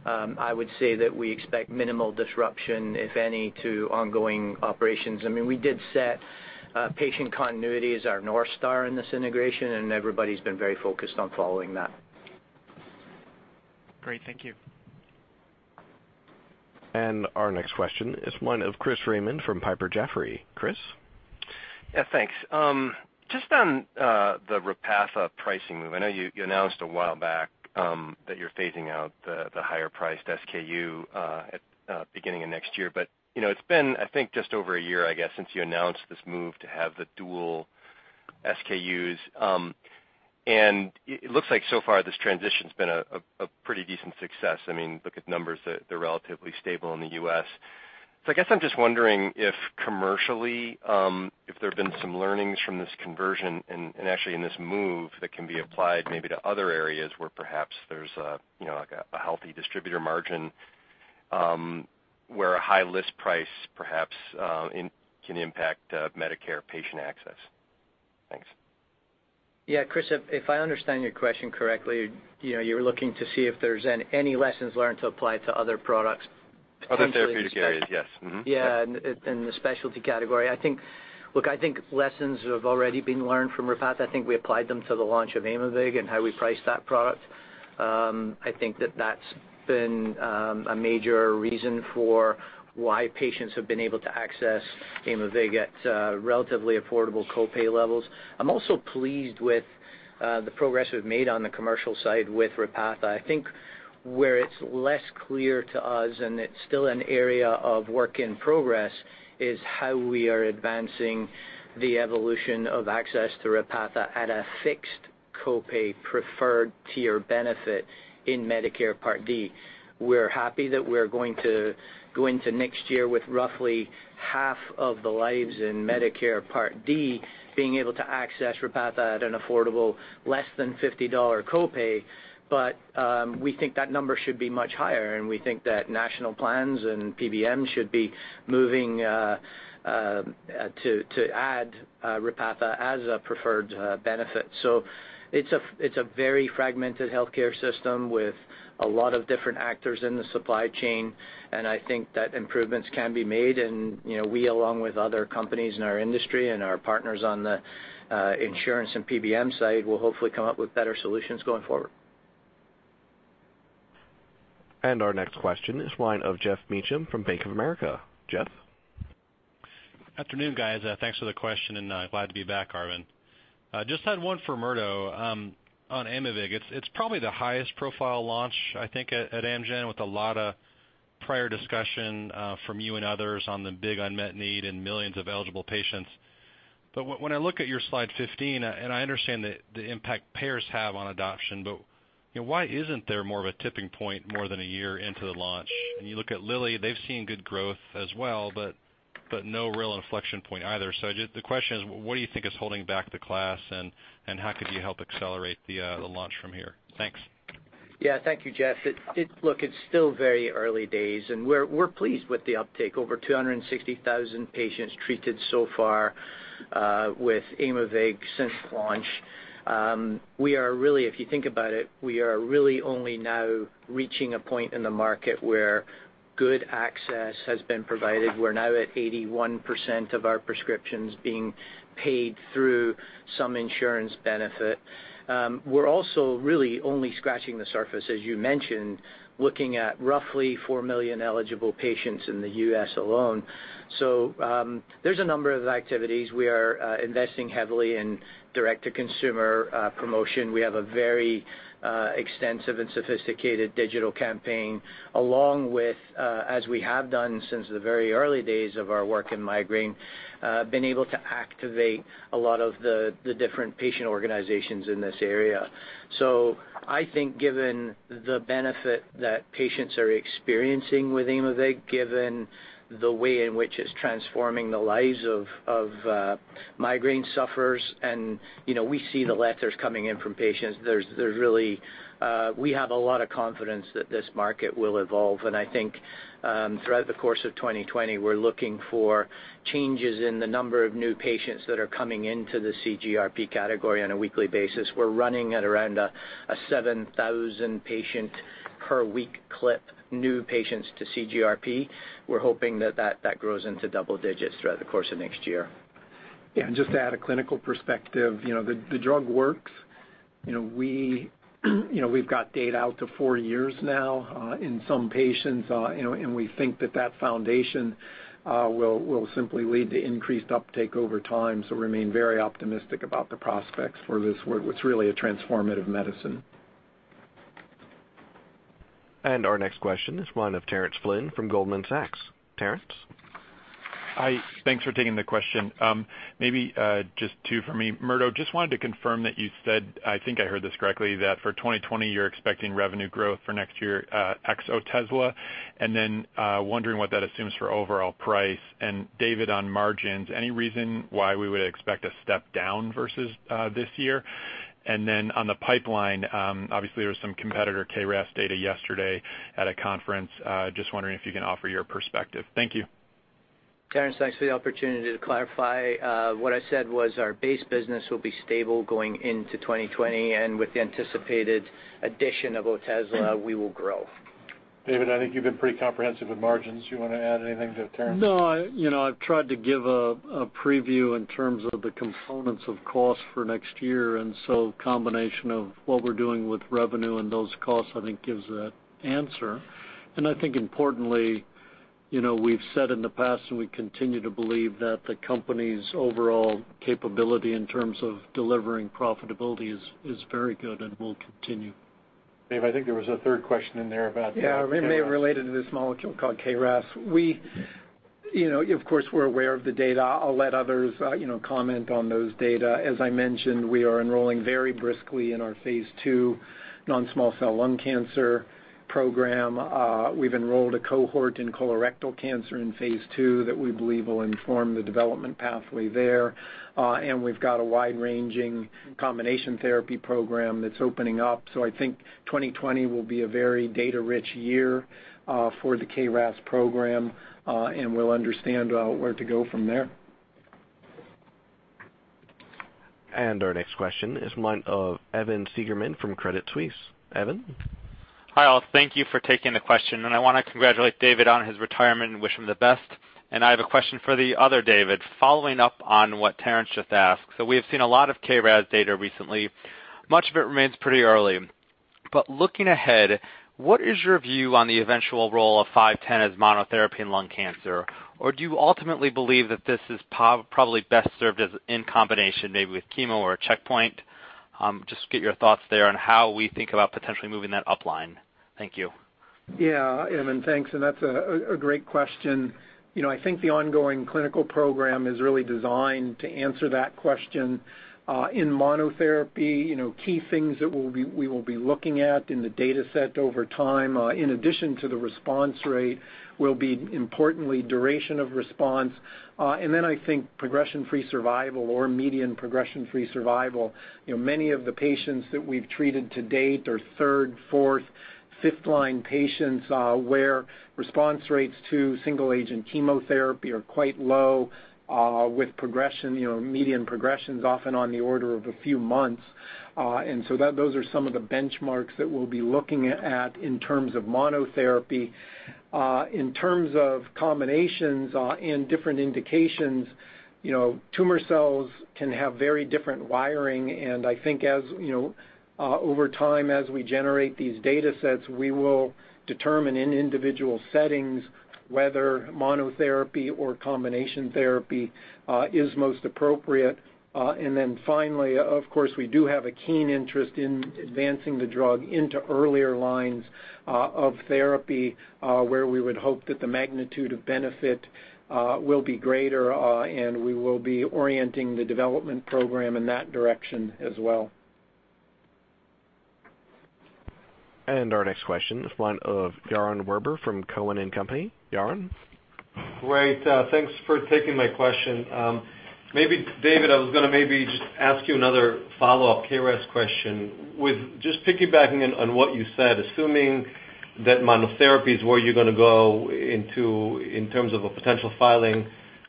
I would say that we expect minimal disruption, if any, to ongoing operations. We did set patient continuity as our North Star in this integration, and everybody's been very focused on following that. Great. Thank you. Our next question is one of Chris Raymond from Piper Jaffray. Chris? Yeah, thanks. Just on the Repatha pricing move, I know you announced a while back that you're phasing out the higher priced SKU at beginning of next year. It's been, I think, just over a year, I guess, since you announced this move to have the dual SKUs. It looks like so far this transition's been a pretty decent success. If you look at numbers, they're relatively stable in the U.S. I guess I'm just wondering if commercially, if there have been some learnings from this conversion and actually in this move that can be applied maybe to other areas where perhaps there's a healthy distributor margin, where a high list price perhaps can impact Medicare patient access. Thanks. Yeah, Chris, if I understand your question correctly, you're looking to see if there's any lessons learned to apply to other products potentially. Other therapeutic areas, yes. Mm-hmm. Yeah, in the specialty category. Look, I think lessons have already been learned from Repatha. I think we applied them to the launch of Aimovig and how we priced that product. I think that that's been a major reason for why patients have been able to access Aimovig at relatively affordable copay levels. I'm also pleased with the progress we've made on the commercial side with Repatha. I think where it's less clear to us, and it's still an area of work in progress, is how we are advancing the evolution of access to Repatha at a fixed copay preferred tier benefit in Medicare Part D. We're happy that we're going to go into next year with roughly half of the lives in Medicare Part D being able to access Repatha at an affordable less than $50 copay. We think that number should be much higher, and we think that national plans and PBM should be moving to add Repatha as a preferred benefit. It's a very fragmented healthcare system with a lot of different actors in the supply chain, and I think that improvements can be made. We, along with other companies in our industry and our partners on the insurance and PBM side will hopefully come up with better solutions going forward. Our next question is the line of Geoff Meacham from Bank of America. Geoff? Afternoon, guys. Thanks for the question and glad to be back, Arvind. Just had one for Murdo on Aimovig. It's probably the highest profile launch, I think, at Amgen, with a lot of prior discussion from you and others on the big unmet need and millions of eligible patients. When I look at your slide 15, and I understand the impact payers have on adoption, but why isn't there more of a tipping point more than a year into the launch? When you look at Lilly, they've seen good growth as well, but no real inflection point either. The question is: what do you think is holding back the class, and how could you help accelerate the launch from here? Thanks. Yeah. Thank you, Geoff. Look, it's still very early days, and we're pleased with the uptake. Over 260,000 patients treated so far with Aimovig since launch. If you think about it, we are really only now reaching a point in the market where good access has been provided. We're now at 81% of our prescriptions being paid through some insurance benefit. We're also really only scratching the surface, as you mentioned, looking at roughly 4 million eligible patients in the U.S. alone. There's a number of activities. We are investing heavily in direct-to-consumer promotion. We have a very extensive and sophisticated digital campaign along with, as we have done since the very early days of our work in migraine, been able to activate a lot of the different patient organizations in this area. I think given the benefit that patients are experiencing with Aimovig, given the way in which it's transforming the lives of migraine sufferers, and we see the letters coming in from patients, we have a lot of confidence that this market will evolve. I think throughout the course of 2020, we're looking for changes in the number of new patients that are coming into the CGRP category on a weekly basis. We're running at around a 7,000 patient per week clip, new patients to CGRP. We're hoping that that grows into double digits throughout the course of next year. Just to add a clinical perspective, the drug works. We've got data out to four years now in some patients, and we think that that foundation will simply lead to increased uptake over time. Remain very optimistic about the prospects for this, what's really a transformative medicine. Our next question is one of Terence Flynn from Goldman Sachs. Terence? Hi. Thanks for taking the question. Maybe just two from me. Murdo, just wanted to confirm that you said, I think I heard this correctly, that for 2020 you're expecting revenue growth for next year ex Otezla, and then wondering what that assumes for overall price. David, on margins, any reason why we would expect a step down versus this year? Then on the pipeline, obviously there was some competitor KRAS data yesterday at a conference, just wondering if you can offer your perspective. Thank you. Terence, thanks for the opportunity to clarify. What I said was our base business will be stable going into 2020, and with the anticipated addition of Otezla, we will grow. David, I think you've been pretty comprehensive with margins. You want to add anything to Terence? No. I've tried to give a preview in terms of the components of cost for next year. Combination of what we're doing with revenue and those costs, I think gives that answer. I think importantly, we've said in the past, and we continue to believe that the company's overall capability in terms of delivering profitability is very good and will continue. Dave, I think there was a third question in there about KRAS. Yeah. It may have related to this molecule called KRAS. Of course, we're aware of the data. I'll let others comment on those data. As I mentioned, we are enrolling very briskly in our phase II non-small cell lung cancer program. We've enrolled a cohort in colorectal cancer in phase II that we believe will inform the development pathway there. We've got a wide-ranging combination therapy program that's opening up. I think 2020 will be a very data-rich year for the KRAS program, and we'll understand where to go from there. Our next question is one of Evan Seigerman from Credit Suisse. Evan? Hi, all. Thank you for taking the question. I want to congratulate David Meline on his retirement and wish him the best. I have a question for the other David Reese. Following up on what Terence just asked. We have seen a lot of KRAS data recently. Much of it remains pretty early. Looking ahead, what is your view on the eventual role of AMG 510 as monotherapy in lung cancer? Do you ultimately believe that this is probably best served as in combination maybe with chemo or a checkpoint? Just to get your thoughts there on how we think about potentially moving that upline. Thank you. Yeah, Evan, thanks. That's a great question. I think the ongoing clinical program is really designed to answer that question. In monotherapy, key things that we will be looking at in the data set over time, in addition to the response rate, will be importantly duration of response, then I think progression-free survival or median progression-free survival. Many of the patients that we've treated to date are third, fourth, fifth line patients, where response rates to single agent chemotherapy are quite low, with median progressions often on the order of a few months. Those are some of the benchmarks that we'll be looking at in terms of monotherapy. In terms of combinations in different indications, tumor cells can have very different wiring, and I think over time, as we generate these data sets, we will determine in individual settings whether monotherapy or combination therapy is most appropriate. Finally, of course, we do have a keen interest in advancing the drug into earlier lines of therapy, where we would hope that the magnitude of benefit will be greater, and we will be orienting the development program in that direction as well. Our next question is one of Yaron Werber from Cowen and Company. Yaron? Great. Thanks for taking my question. David, I was going to maybe just ask you another follow-up KRAS question. Just piggybacking on what you said, assuming that monotherapy is where you're going to go in terms of a potential filing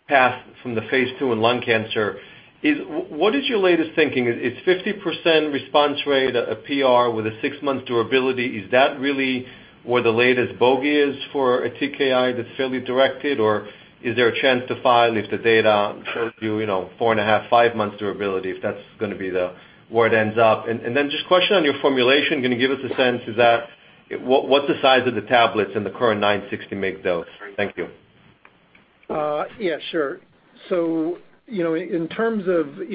path from the phase II in lung cancer, what is your latest thinking? It's 50% response rate, a PR with a six-month durability. Is that really where the latest bogey is for a TKI that's fairly directed, or is there a chance to file if the data shows you four and a half, five months durability, if that's going to be where it ends up? Just a question on your formulation. Can you give us a sense, what's the size of the tablets in the current 960 mg dose? Thank you. Yeah, sure. In terms of the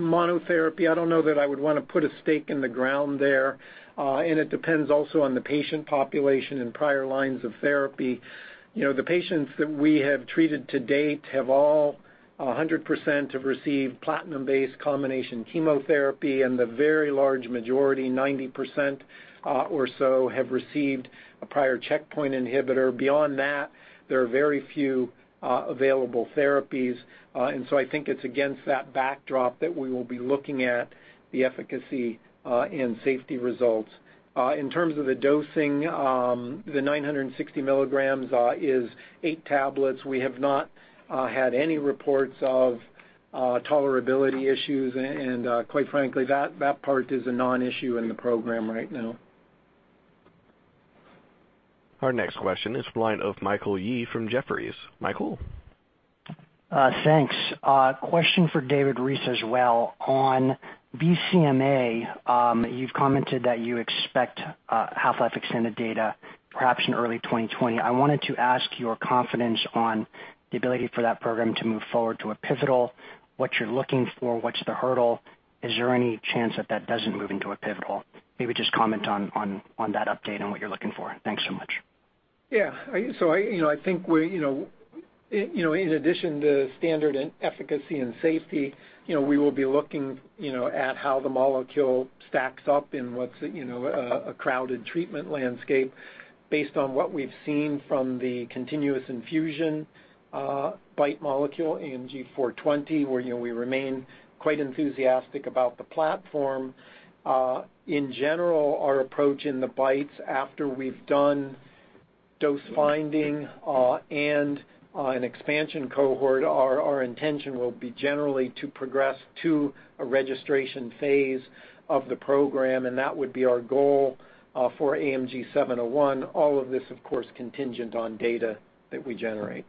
monotherapy, I don't know that I would want to put a stake in the ground there. It depends also on the patient population and prior lines of therapy. The patients that we have treated to date, 100% have received platinum-based combination chemotherapy, and the very large majority, 90% or so, have received a prior checkpoint inhibitor. Beyond that, there are very few available therapies. I think it's against that backdrop that we will be looking at the efficacy and safety results. In terms of the dosing, the 960 milligrams is eight tablets. We have not had any reports of tolerability issues, and quite frankly, that part is a non-issue in the program right now. Our next question is the line of Michael Yee from Jefferies. Michael? Thanks. A question for David Reese as well. On BCMA, you've commented that you expect half-life extended data, perhaps in early 2020. I wanted to ask your confidence on the ability for that program to move forward to a pivotal, what you're looking for, what's the hurdle? Is there any chance that that doesn't move into a pivotal? Maybe just comment on that update and what you're looking for. Thanks so much. I think in addition to standard efficacy and safety, we will be looking at how the molecule stacks up in what's a crowded treatment landscape based on what we've seen from the continuous infusion BiTE molecule, AMG 420, where we remain quite enthusiastic about the platform. In general, our approach in the BiTEs after we've done dose finding and an expansion cohort, our intention will be generally to progress to a registration phase of the program, and that would be our goal for AMG 701. All of this, of course, contingent on data that we generate.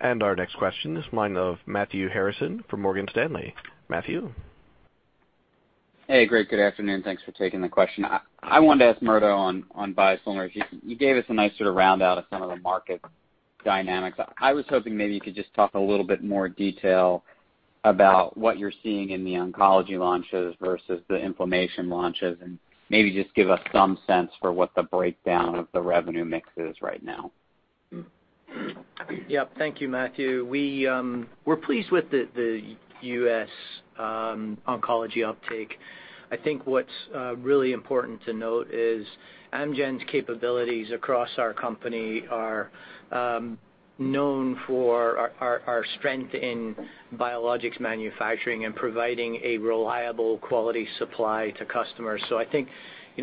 Our next question is mine of Matthew Harrison from Morgan Stanley. Matthew? Hey, great. Good afternoon. Thanks for taking the question. I wanted to ask Murdo on biosimilars. You gave us a nice sort of round out of some of the market dynamics. I was hoping maybe you could just talk a little bit more detail about what you're seeing in the oncology launches versus the inflammation launches, and maybe just give us some sense for what the breakdown of the revenue mix is right now. Yeah. Thank you, Matthew. We're pleased with the U.S. oncology uptake. I think what's really important to note is Amgen's capabilities across our company are known for our strength in biologics manufacturing and providing a reliable quality supply to customers. I think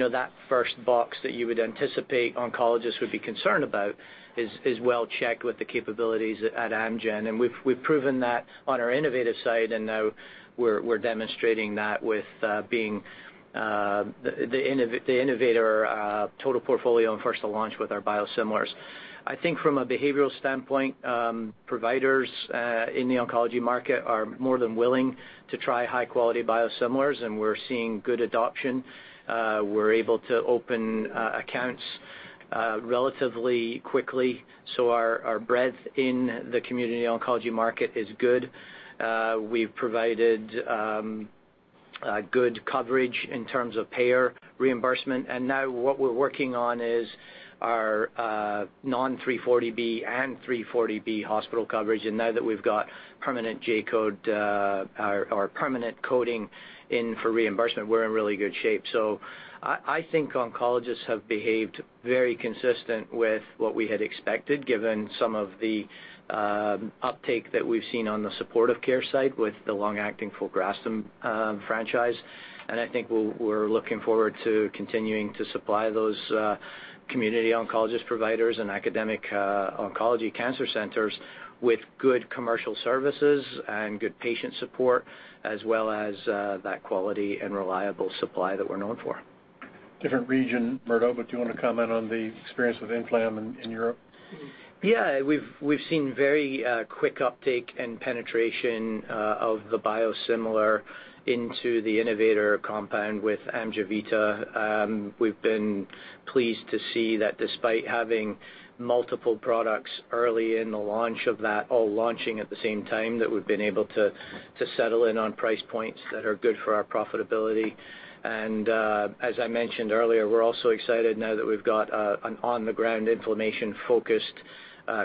that first box that you would anticipate oncologists would be concerned about is well checked with the capabilities at Amgen, and we've proven that on our innovative side and now We're demonstrating that with being the innovator total portfolio and first to launch with our biosimilars. I think from a behavioral standpoint, providers in the oncology market are more than willing to try high-quality biosimilars, and we're seeing good adoption. We're able to open accounts relatively quickly, so our breadth in the community oncology market is good. We've provided good coverage in terms of payer reimbursement. Now what we're working on is our non 340B and 340B hospital coverage. Now that we've got permanent J code, our permanent coding in for reimbursement, we're in really good shape. I think oncologists have behaved very consistent with what we had expected, given some of the uptake that we've seen on the supportive care side with the long-acting filgrastim franchise. I think we're looking forward to continuing to supply those community oncologist providers and academic oncology cancer centers with good commercial services and good patient support, as well as that quality and reliable supply that we're known for. Different region, Murdo, do you want to comment on the experience with inflam in Europe? Yeah. We've seen very quick uptake and penetration of the biosimilar into the innovator compound with AMGEVITA. We've been pleased to see that despite having multiple products early in the launch of that all launching at the same time, that we've been able to settle in on price points that are good for our profitability. As I mentioned earlier, we're also excited now that we've got an on-the-ground inflammation-focused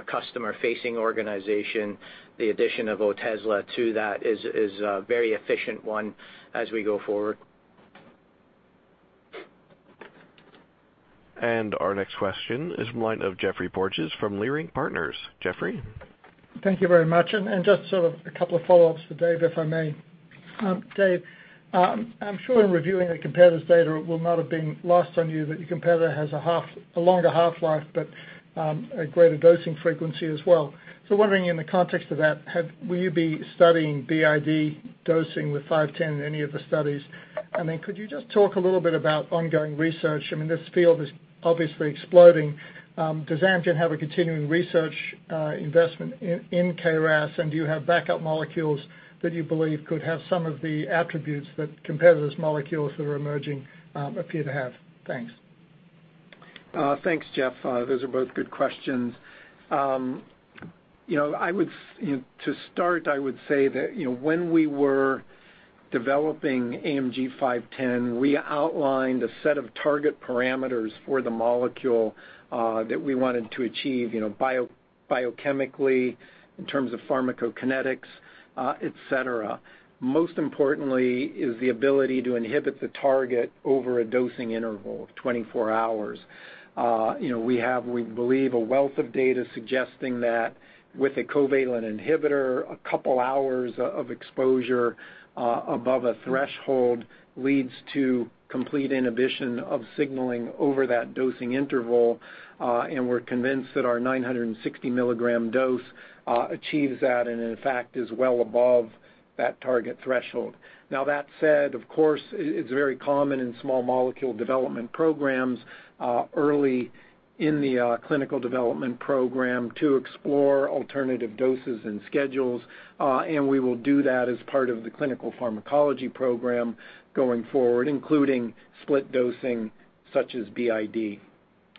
customer-facing organization. The addition of Otezla to that is a very efficient one as we go forward. Our next question is from the line of Geoffrey Porges from SVB Leerink. Geoffrey? Thank you very much. Just sort of a couple of follow-ups for Dave, if I may. Dave, I'm sure in reviewing the competitor's data, it will not have been lost on you that your competitor has a longer half-life, but a greater dosing frequency as well. Wondering in the context of that, will you be studying BID dosing with 510 in any of the studies? Could you just talk a little bit about ongoing research? I mean, this field is obviously exploding. Does Amgen have a continuing research investment in KRAS? Do you have backup molecules that you believe could have some of the attributes that competitors' molecules that are emerging appear to have? Thanks. Thanks, Geoff. Those are both good questions. To start, I would say that when we were developing AMG 510, we outlined a set of target parameters for the molecule that we wanted to achieve biochemically in terms of pharmacokinetics, et cetera. Most importantly is the ability to inhibit the target over a dosing interval of 24 hours. We have, we believe, a wealth of data suggesting that with a covalent inhibitor, a couple hours of exposure above a threshold leads to complete inhibition of signaling over that dosing interval. We're convinced that our 960 milligram dose achieves that and in fact, is well above that target threshold. Now, that said, of course, it's very common in small molecule development programs early in the clinical development program to explore alternative doses and schedules. We will do that as part of the clinical pharmacology program going forward, including split dosing such as BID.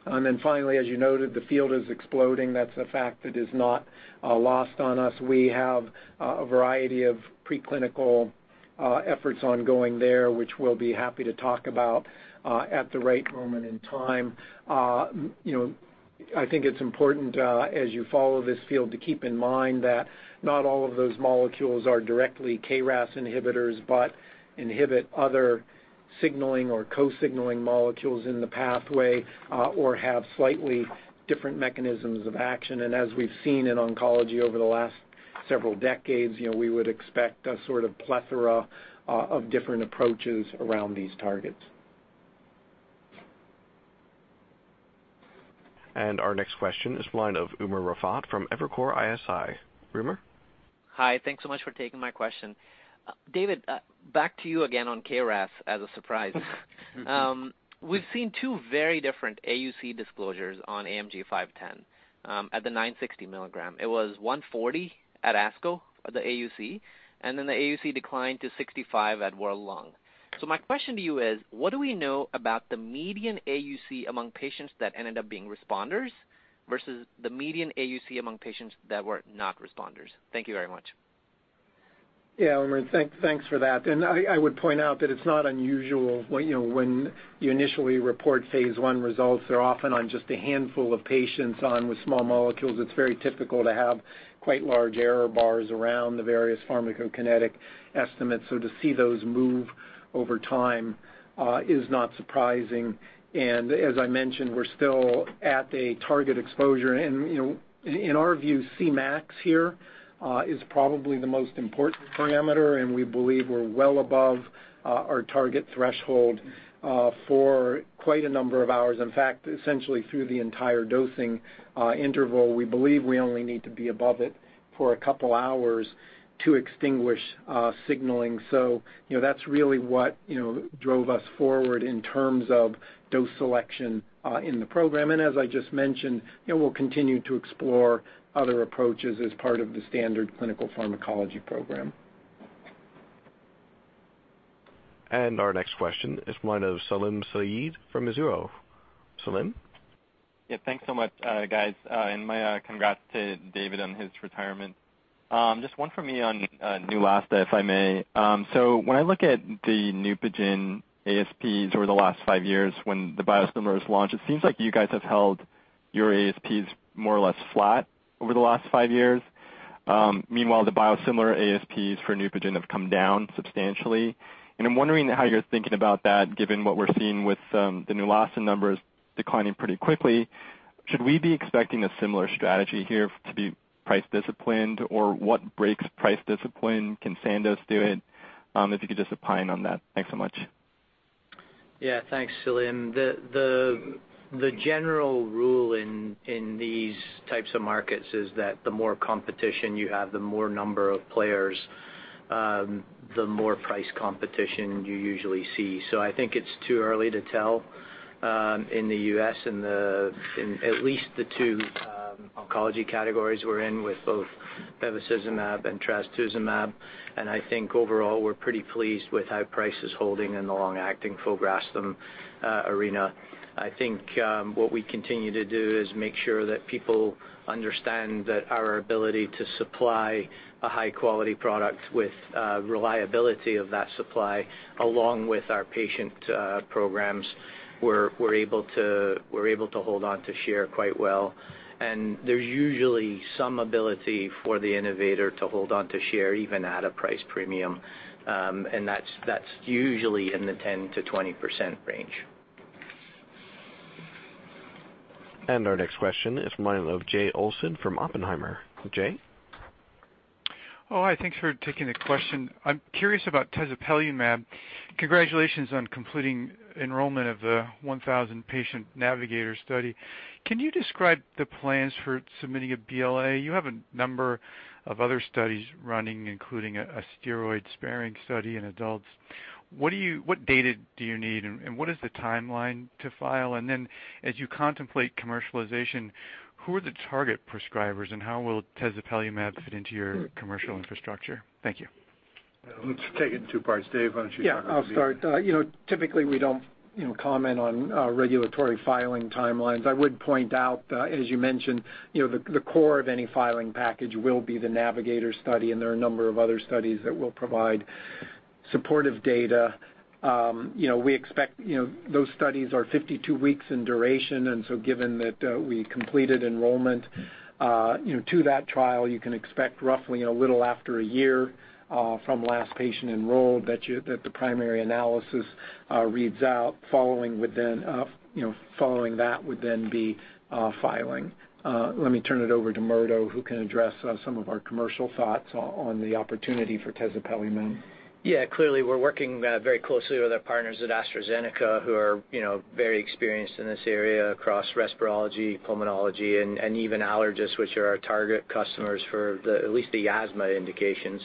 Then finally, as you noted, the field is exploding. That's a fact that is not lost on us. We have a variety of preclinical efforts ongoing there, which we'll be happy to talk about at the right moment in time. I think it's important as you follow this field to keep in mind that not all of those molecules are directly KRAS inhibitors, but inhibit other signaling or co-signaling molecules in the pathway or have slightly different mechanisms of action. As we've seen in oncology over the last several decades, we would expect a sort of plethora of different approaches around these targets. Our next question is from the line of Umer Raffat from Evercore ISI. Umer? Hi. Thanks so much for taking my question. David, back to you again on KRAS as a surprise. We've seen two very different AUC disclosures on AMG 510 at the 960 milligram. It was 140 at ASCO at the AUC. The AUC declined to 65 at World Lung. My question to you is, what do we know about the median AUC among patients that ended up being responders versus the median AUC among patients that were not responders? Thank you very much. Yeah, Umer, thanks for that. I would point out that it's not unusual when you initially report phase I results, they're often on just a handful of patients on with small molecules. It's very typical to have quite large error bars around the various pharmacokinetic estimates. To see those move over time is not surprising. As I mentioned, we're still at a target exposure. In our view, Cmax here is probably the most important parameter, and we believe we're well above our target threshold for quite a number of hours. In fact, essentially through the entire dosing interval, we believe we only need to be above it for a couple hours to extinguish signaling. That's really what drove us forward in terms of dose selection in the program. As I just mentioned, we'll continue to explore other approaches as part of the standard clinical pharmacology program. Our next question is from Salim Syed from Mizuho. Salim? Yeah, thanks so much, guys. My congrats to David on his retirement. Just one for me on Neulasta, if I may. When I look at the NEUPOGEN ASPs over the last five years when the biosimilar was launched, it seems like you guys have held your ASPs more or less flat over the last five years. Meanwhile, the biosimilar ASPs for NEUPOGEN have come down substantially, and I'm wondering how you're thinking about that, given what we're seeing with the Neulasta numbers declining pretty quickly. Should we be expecting a similar strategy here to be price disciplined, or what breaks price discipline? Can Sandoz do it? If you could just opine on that. Thanks so much. Yeah. Thanks, Salim. The general rule in these types of markets is that the more competition you have, the more number of players, the more price competition you usually see. I think it's too early to tell in the U.S. in at least the two oncology categories we're in with both bevacizumab and trastuzumab. I think overall, we're pretty pleased with how price is holding in the long-acting filgrastim arena. I think what we continue to do is make sure that people understand that our ability to supply a high-quality product with reliability of that supply, along with our patient programs, we're able to hold on to share quite well. There's usually some ability for the innovator to hold on to share, even at a price premium. That's usually in the 10%-20% range. Our next question is mine of Jay Olson from Oppenheimer. Jay? Oh, hi. Thanks for taking the question. I'm curious about tezepelumab. Congratulations on completing enrollment of the 1,000-patient NAVIGATOR study. Can you describe the plans for submitting a BLA? You have a number of other studies running, including a steroid-sparing study in adults. What data do you need, and what is the timeline to file? As you contemplate commercialization, who are the target prescribers, and how will tezepelumab fit into your commercial infrastructure? Thank you. Let's take it in two parts. Dave, why don't you talk about. Yeah, I'll start. Typically, we don't comment on regulatory filing timelines. I would point out that, as you mentioned, the core of any filing package will be the NAVIGATOR study, and there are a number of other studies that will provide supportive data. Those studies are 52 weeks in duration, so given that we completed enrollment to that trial, you can expect roughly a little after a year from last patient enrolled that the primary analysis reads out. Following that would then be filing. Let me turn it over to Murdo, who can address some of our commercial thoughts on the opportunity for tezepelumab. Yeah, clearly, we're working very closely with our partners at AstraZeneca, who are very experienced in this area across respirology, pulmonology, and even allergists, which are our target customers for at least the asthma indications.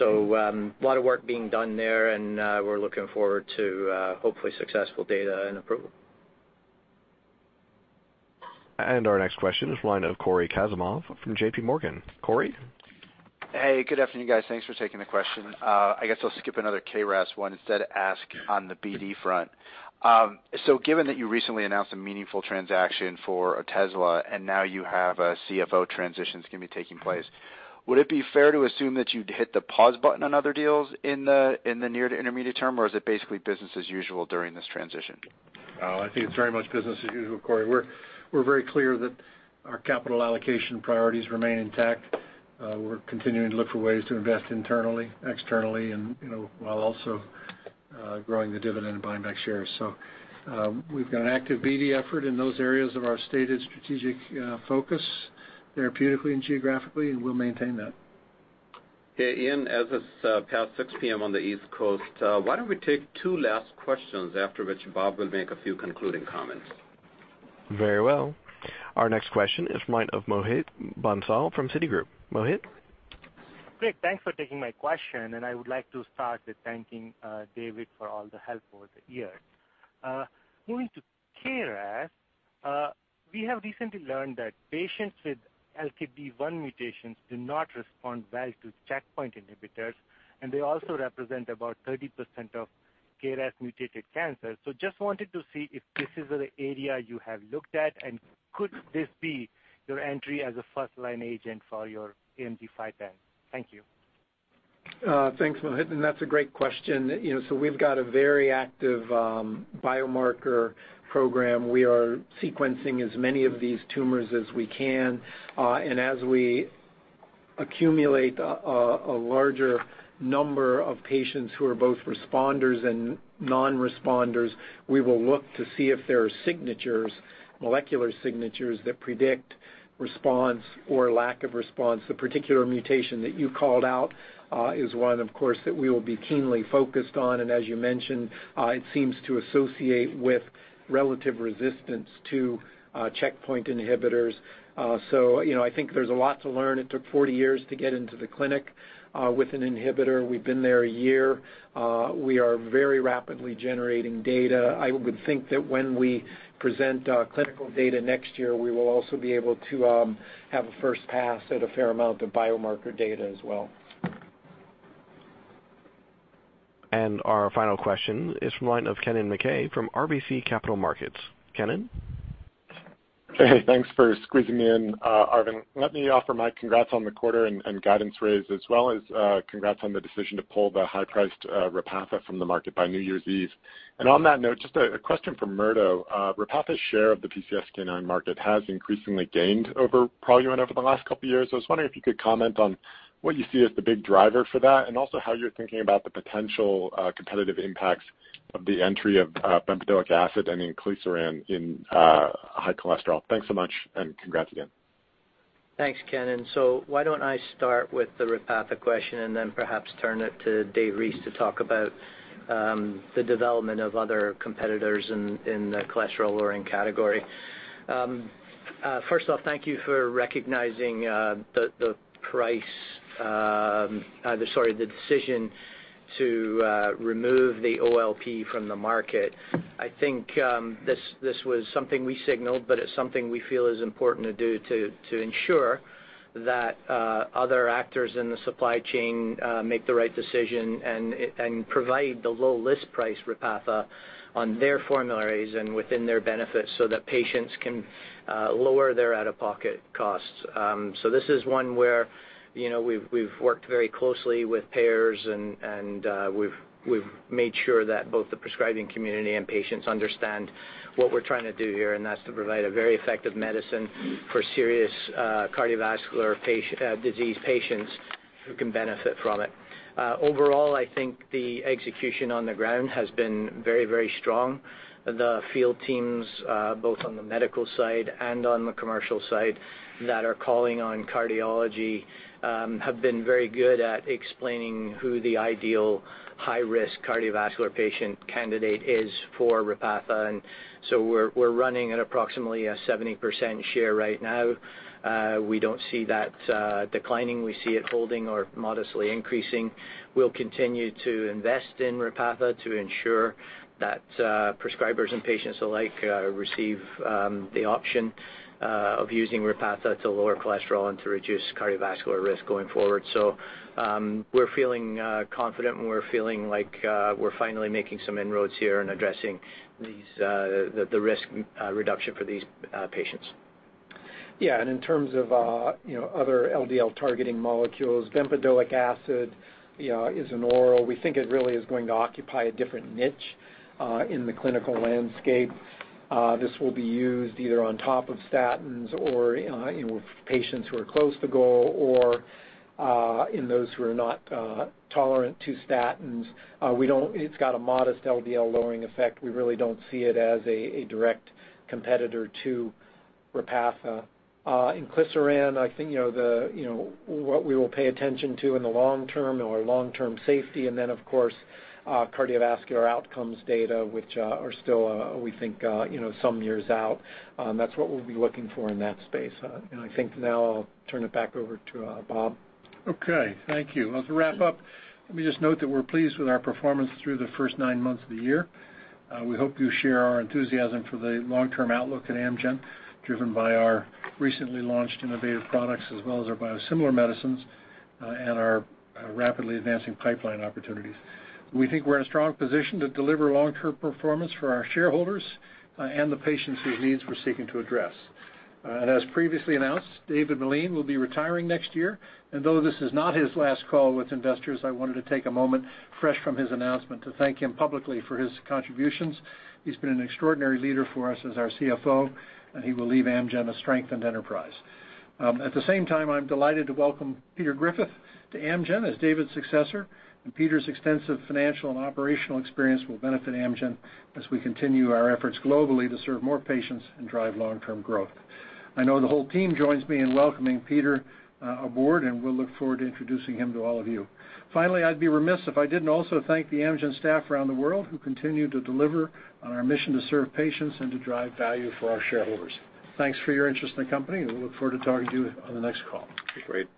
A lot of work being done there, and we're looking forward to hopefully successful data and approval. Our next question is line of Cory Kasimov from JPMorgan. Cory? Hey, good afternoon, guys. Thanks for taking the question. I guess I'll skip another KRAS one, instead ask on the BD front. Given that you recently announced a meaningful transaction for Otezla and now you have a CFO transition that's going to be taking place, would it be fair to assume that you'd hit the pause button on other deals in the near to intermediate term, or is it basically business as usual during this transition? I think it's very much business as usual, Cory. We're very clear that our capital allocation priorities remain intact. We're continuing to look for ways to invest internally, externally, and while also growing the dividend and buying back shares. We've got an active BD effort in those areas of our stated strategic focus, therapeutically and geographically, and we'll maintain that. Okay, Ian, as it's past 6:00 P.M. on the East Coast, why don't we take two last questions, after which Bob will make a few concluding comments. Very well. Our next question is mine of Mohit Bansal from Citigroup. Mohit? Great. Thanks for taking my question, and I would like to start with thanking David for all the help over the years. Moving to KRAS, we have recently learned that patients with LKB1 mutations do not respond well to checkpoint inhibitors, and they also represent about 30% of KRAS-mutated cancers. Just wanted to see if this is an area you have looked at, and could this be your entry as a first-line agent for your AMG 510? Thank you. Thanks, Mohit, and that's a great question. We've got a very active biomarker program. We are sequencing as many of these tumors as we can, and as we accumulate a larger number of patients who are both responders and non-responders, we will look to see if there are signatures, molecular signatures, that predict response or lack of response. The particular mutation that you called out is one, of course, that we will be keenly focused on, and as you mentioned, it seems to associate with relative resistance to checkpoint inhibitors. I think there's a lot to learn. It took 40 years to get into the clinic with an inhibitor. We've been there one year. We are very rapidly generating data. I would think that when we present clinical data next year, we will also be able to have a first pass at a fair amount of biomarker data as well. Our final question is from the line of Kennen MacKay from RBC Capital Markets. Kennen? Hey, thanks for squeezing me in, Arvind. Let me offer my congrats on the quarter and guidance raise as well as congrats on the decision to pull the high-priced Repatha from the market by New Year's Eve. On that note, just a question for Murdo. Repatha's share of the PCSK9 market has increasingly gained over Praluent over the last couple of years. I was wondering if you could comment on what you see as the big driver for that, and also how you're thinking about the potential competitive impacts of the entry of bempedoic acid and inclisiran in high cholesterol. Thanks so much, and congrats again. Thanks, Kennen. Why don't I start with the Repatha question and then perhaps turn it to Dave Reese to talk about the development of other competitors in the cholesterol-lowering category. First off, thank you for recognizing the decision to remove the OLP from the market. I think this was something we signaled, but it's something we feel is important to do to ensure that other actors in the supply chain make the right decision and provide the low list price Repatha on their formularies and within their benefits so that patients can lower their out-of-pocket costs. This is one where we've worked very closely with payers and we've made sure that both the prescribing community and patients understand what we're trying to do here, and that's to provide a very effective medicine for serious cardiovascular disease patients who can benefit from it. Overall, I think the execution on the ground has been very, very strong. The field teams, both on the medical side and on the commercial side that are calling on cardiology, have been very good at explaining who the ideal high-risk cardiovascular patient candidate is for Repatha, we're running at approximately a 70% share right now. We don't see that declining. We see it holding or modestly increasing. We'll continue to invest in Repatha to ensure that prescribers and patients alike receive the option of using Repatha to lower cholesterol and to reduce cardiovascular risk going forward. We're feeling confident and we're feeling like we're finally making some inroads here and addressing the risk reduction for these patients. Yeah. In terms of other LDL-targeting molecules, bempedoic acid is an oral. We think it really is going to occupy a different niche in the clinical landscape. This will be used either on top of statins or with patients who are close to goal or in those who are not tolerant to statins. It's got a modest LDL lowering effect. We really don't see it as a direct competitor to Repatha. Inclisiran, I think what we will pay attention to in the long term are long-term safety and then, of course, cardiovascular outcomes data, which are still, we think, some years out. That's what we'll be looking for in that space. I think now I'll turn it back over to Bob. Okay, thank you. As a wrap-up, let me just note that we're pleased with our performance through the first nine months of the year. We hope you share our enthusiasm for the long-term outlook at Amgen, driven by our recently launched innovative products as well as our biosimilar medicines and our rapidly advancing pipeline opportunities. We think we're in a strong position to deliver long-term performance for our shareholders and the patients whose needs we're seeking to address. As previously announced, David Meline will be retiring next year. Though this is not his last call with investors, I wanted to take a moment, fresh from his announcement, to thank him publicly for his contributions. He's been an extraordinary leader for us as our CFO, and he will leave Amgen a strengthened enterprise. At the same time, I'm delighted to welcome Peter Griffith to Amgen as David's successor, and Peter's extensive financial and operational experience will benefit Amgen as we continue our efforts globally to serve more patients and drive long-term growth. I know the whole team joins me in welcoming Peter aboard, and we'll look forward to introducing him to all of you. Finally, I'd be remiss if I didn't also thank the Amgen staff around the world who continue to deliver on our mission to serve patients and to drive value for our shareholders. Thanks for your interest in the company, and we look forward to talking to you on the next call. Great.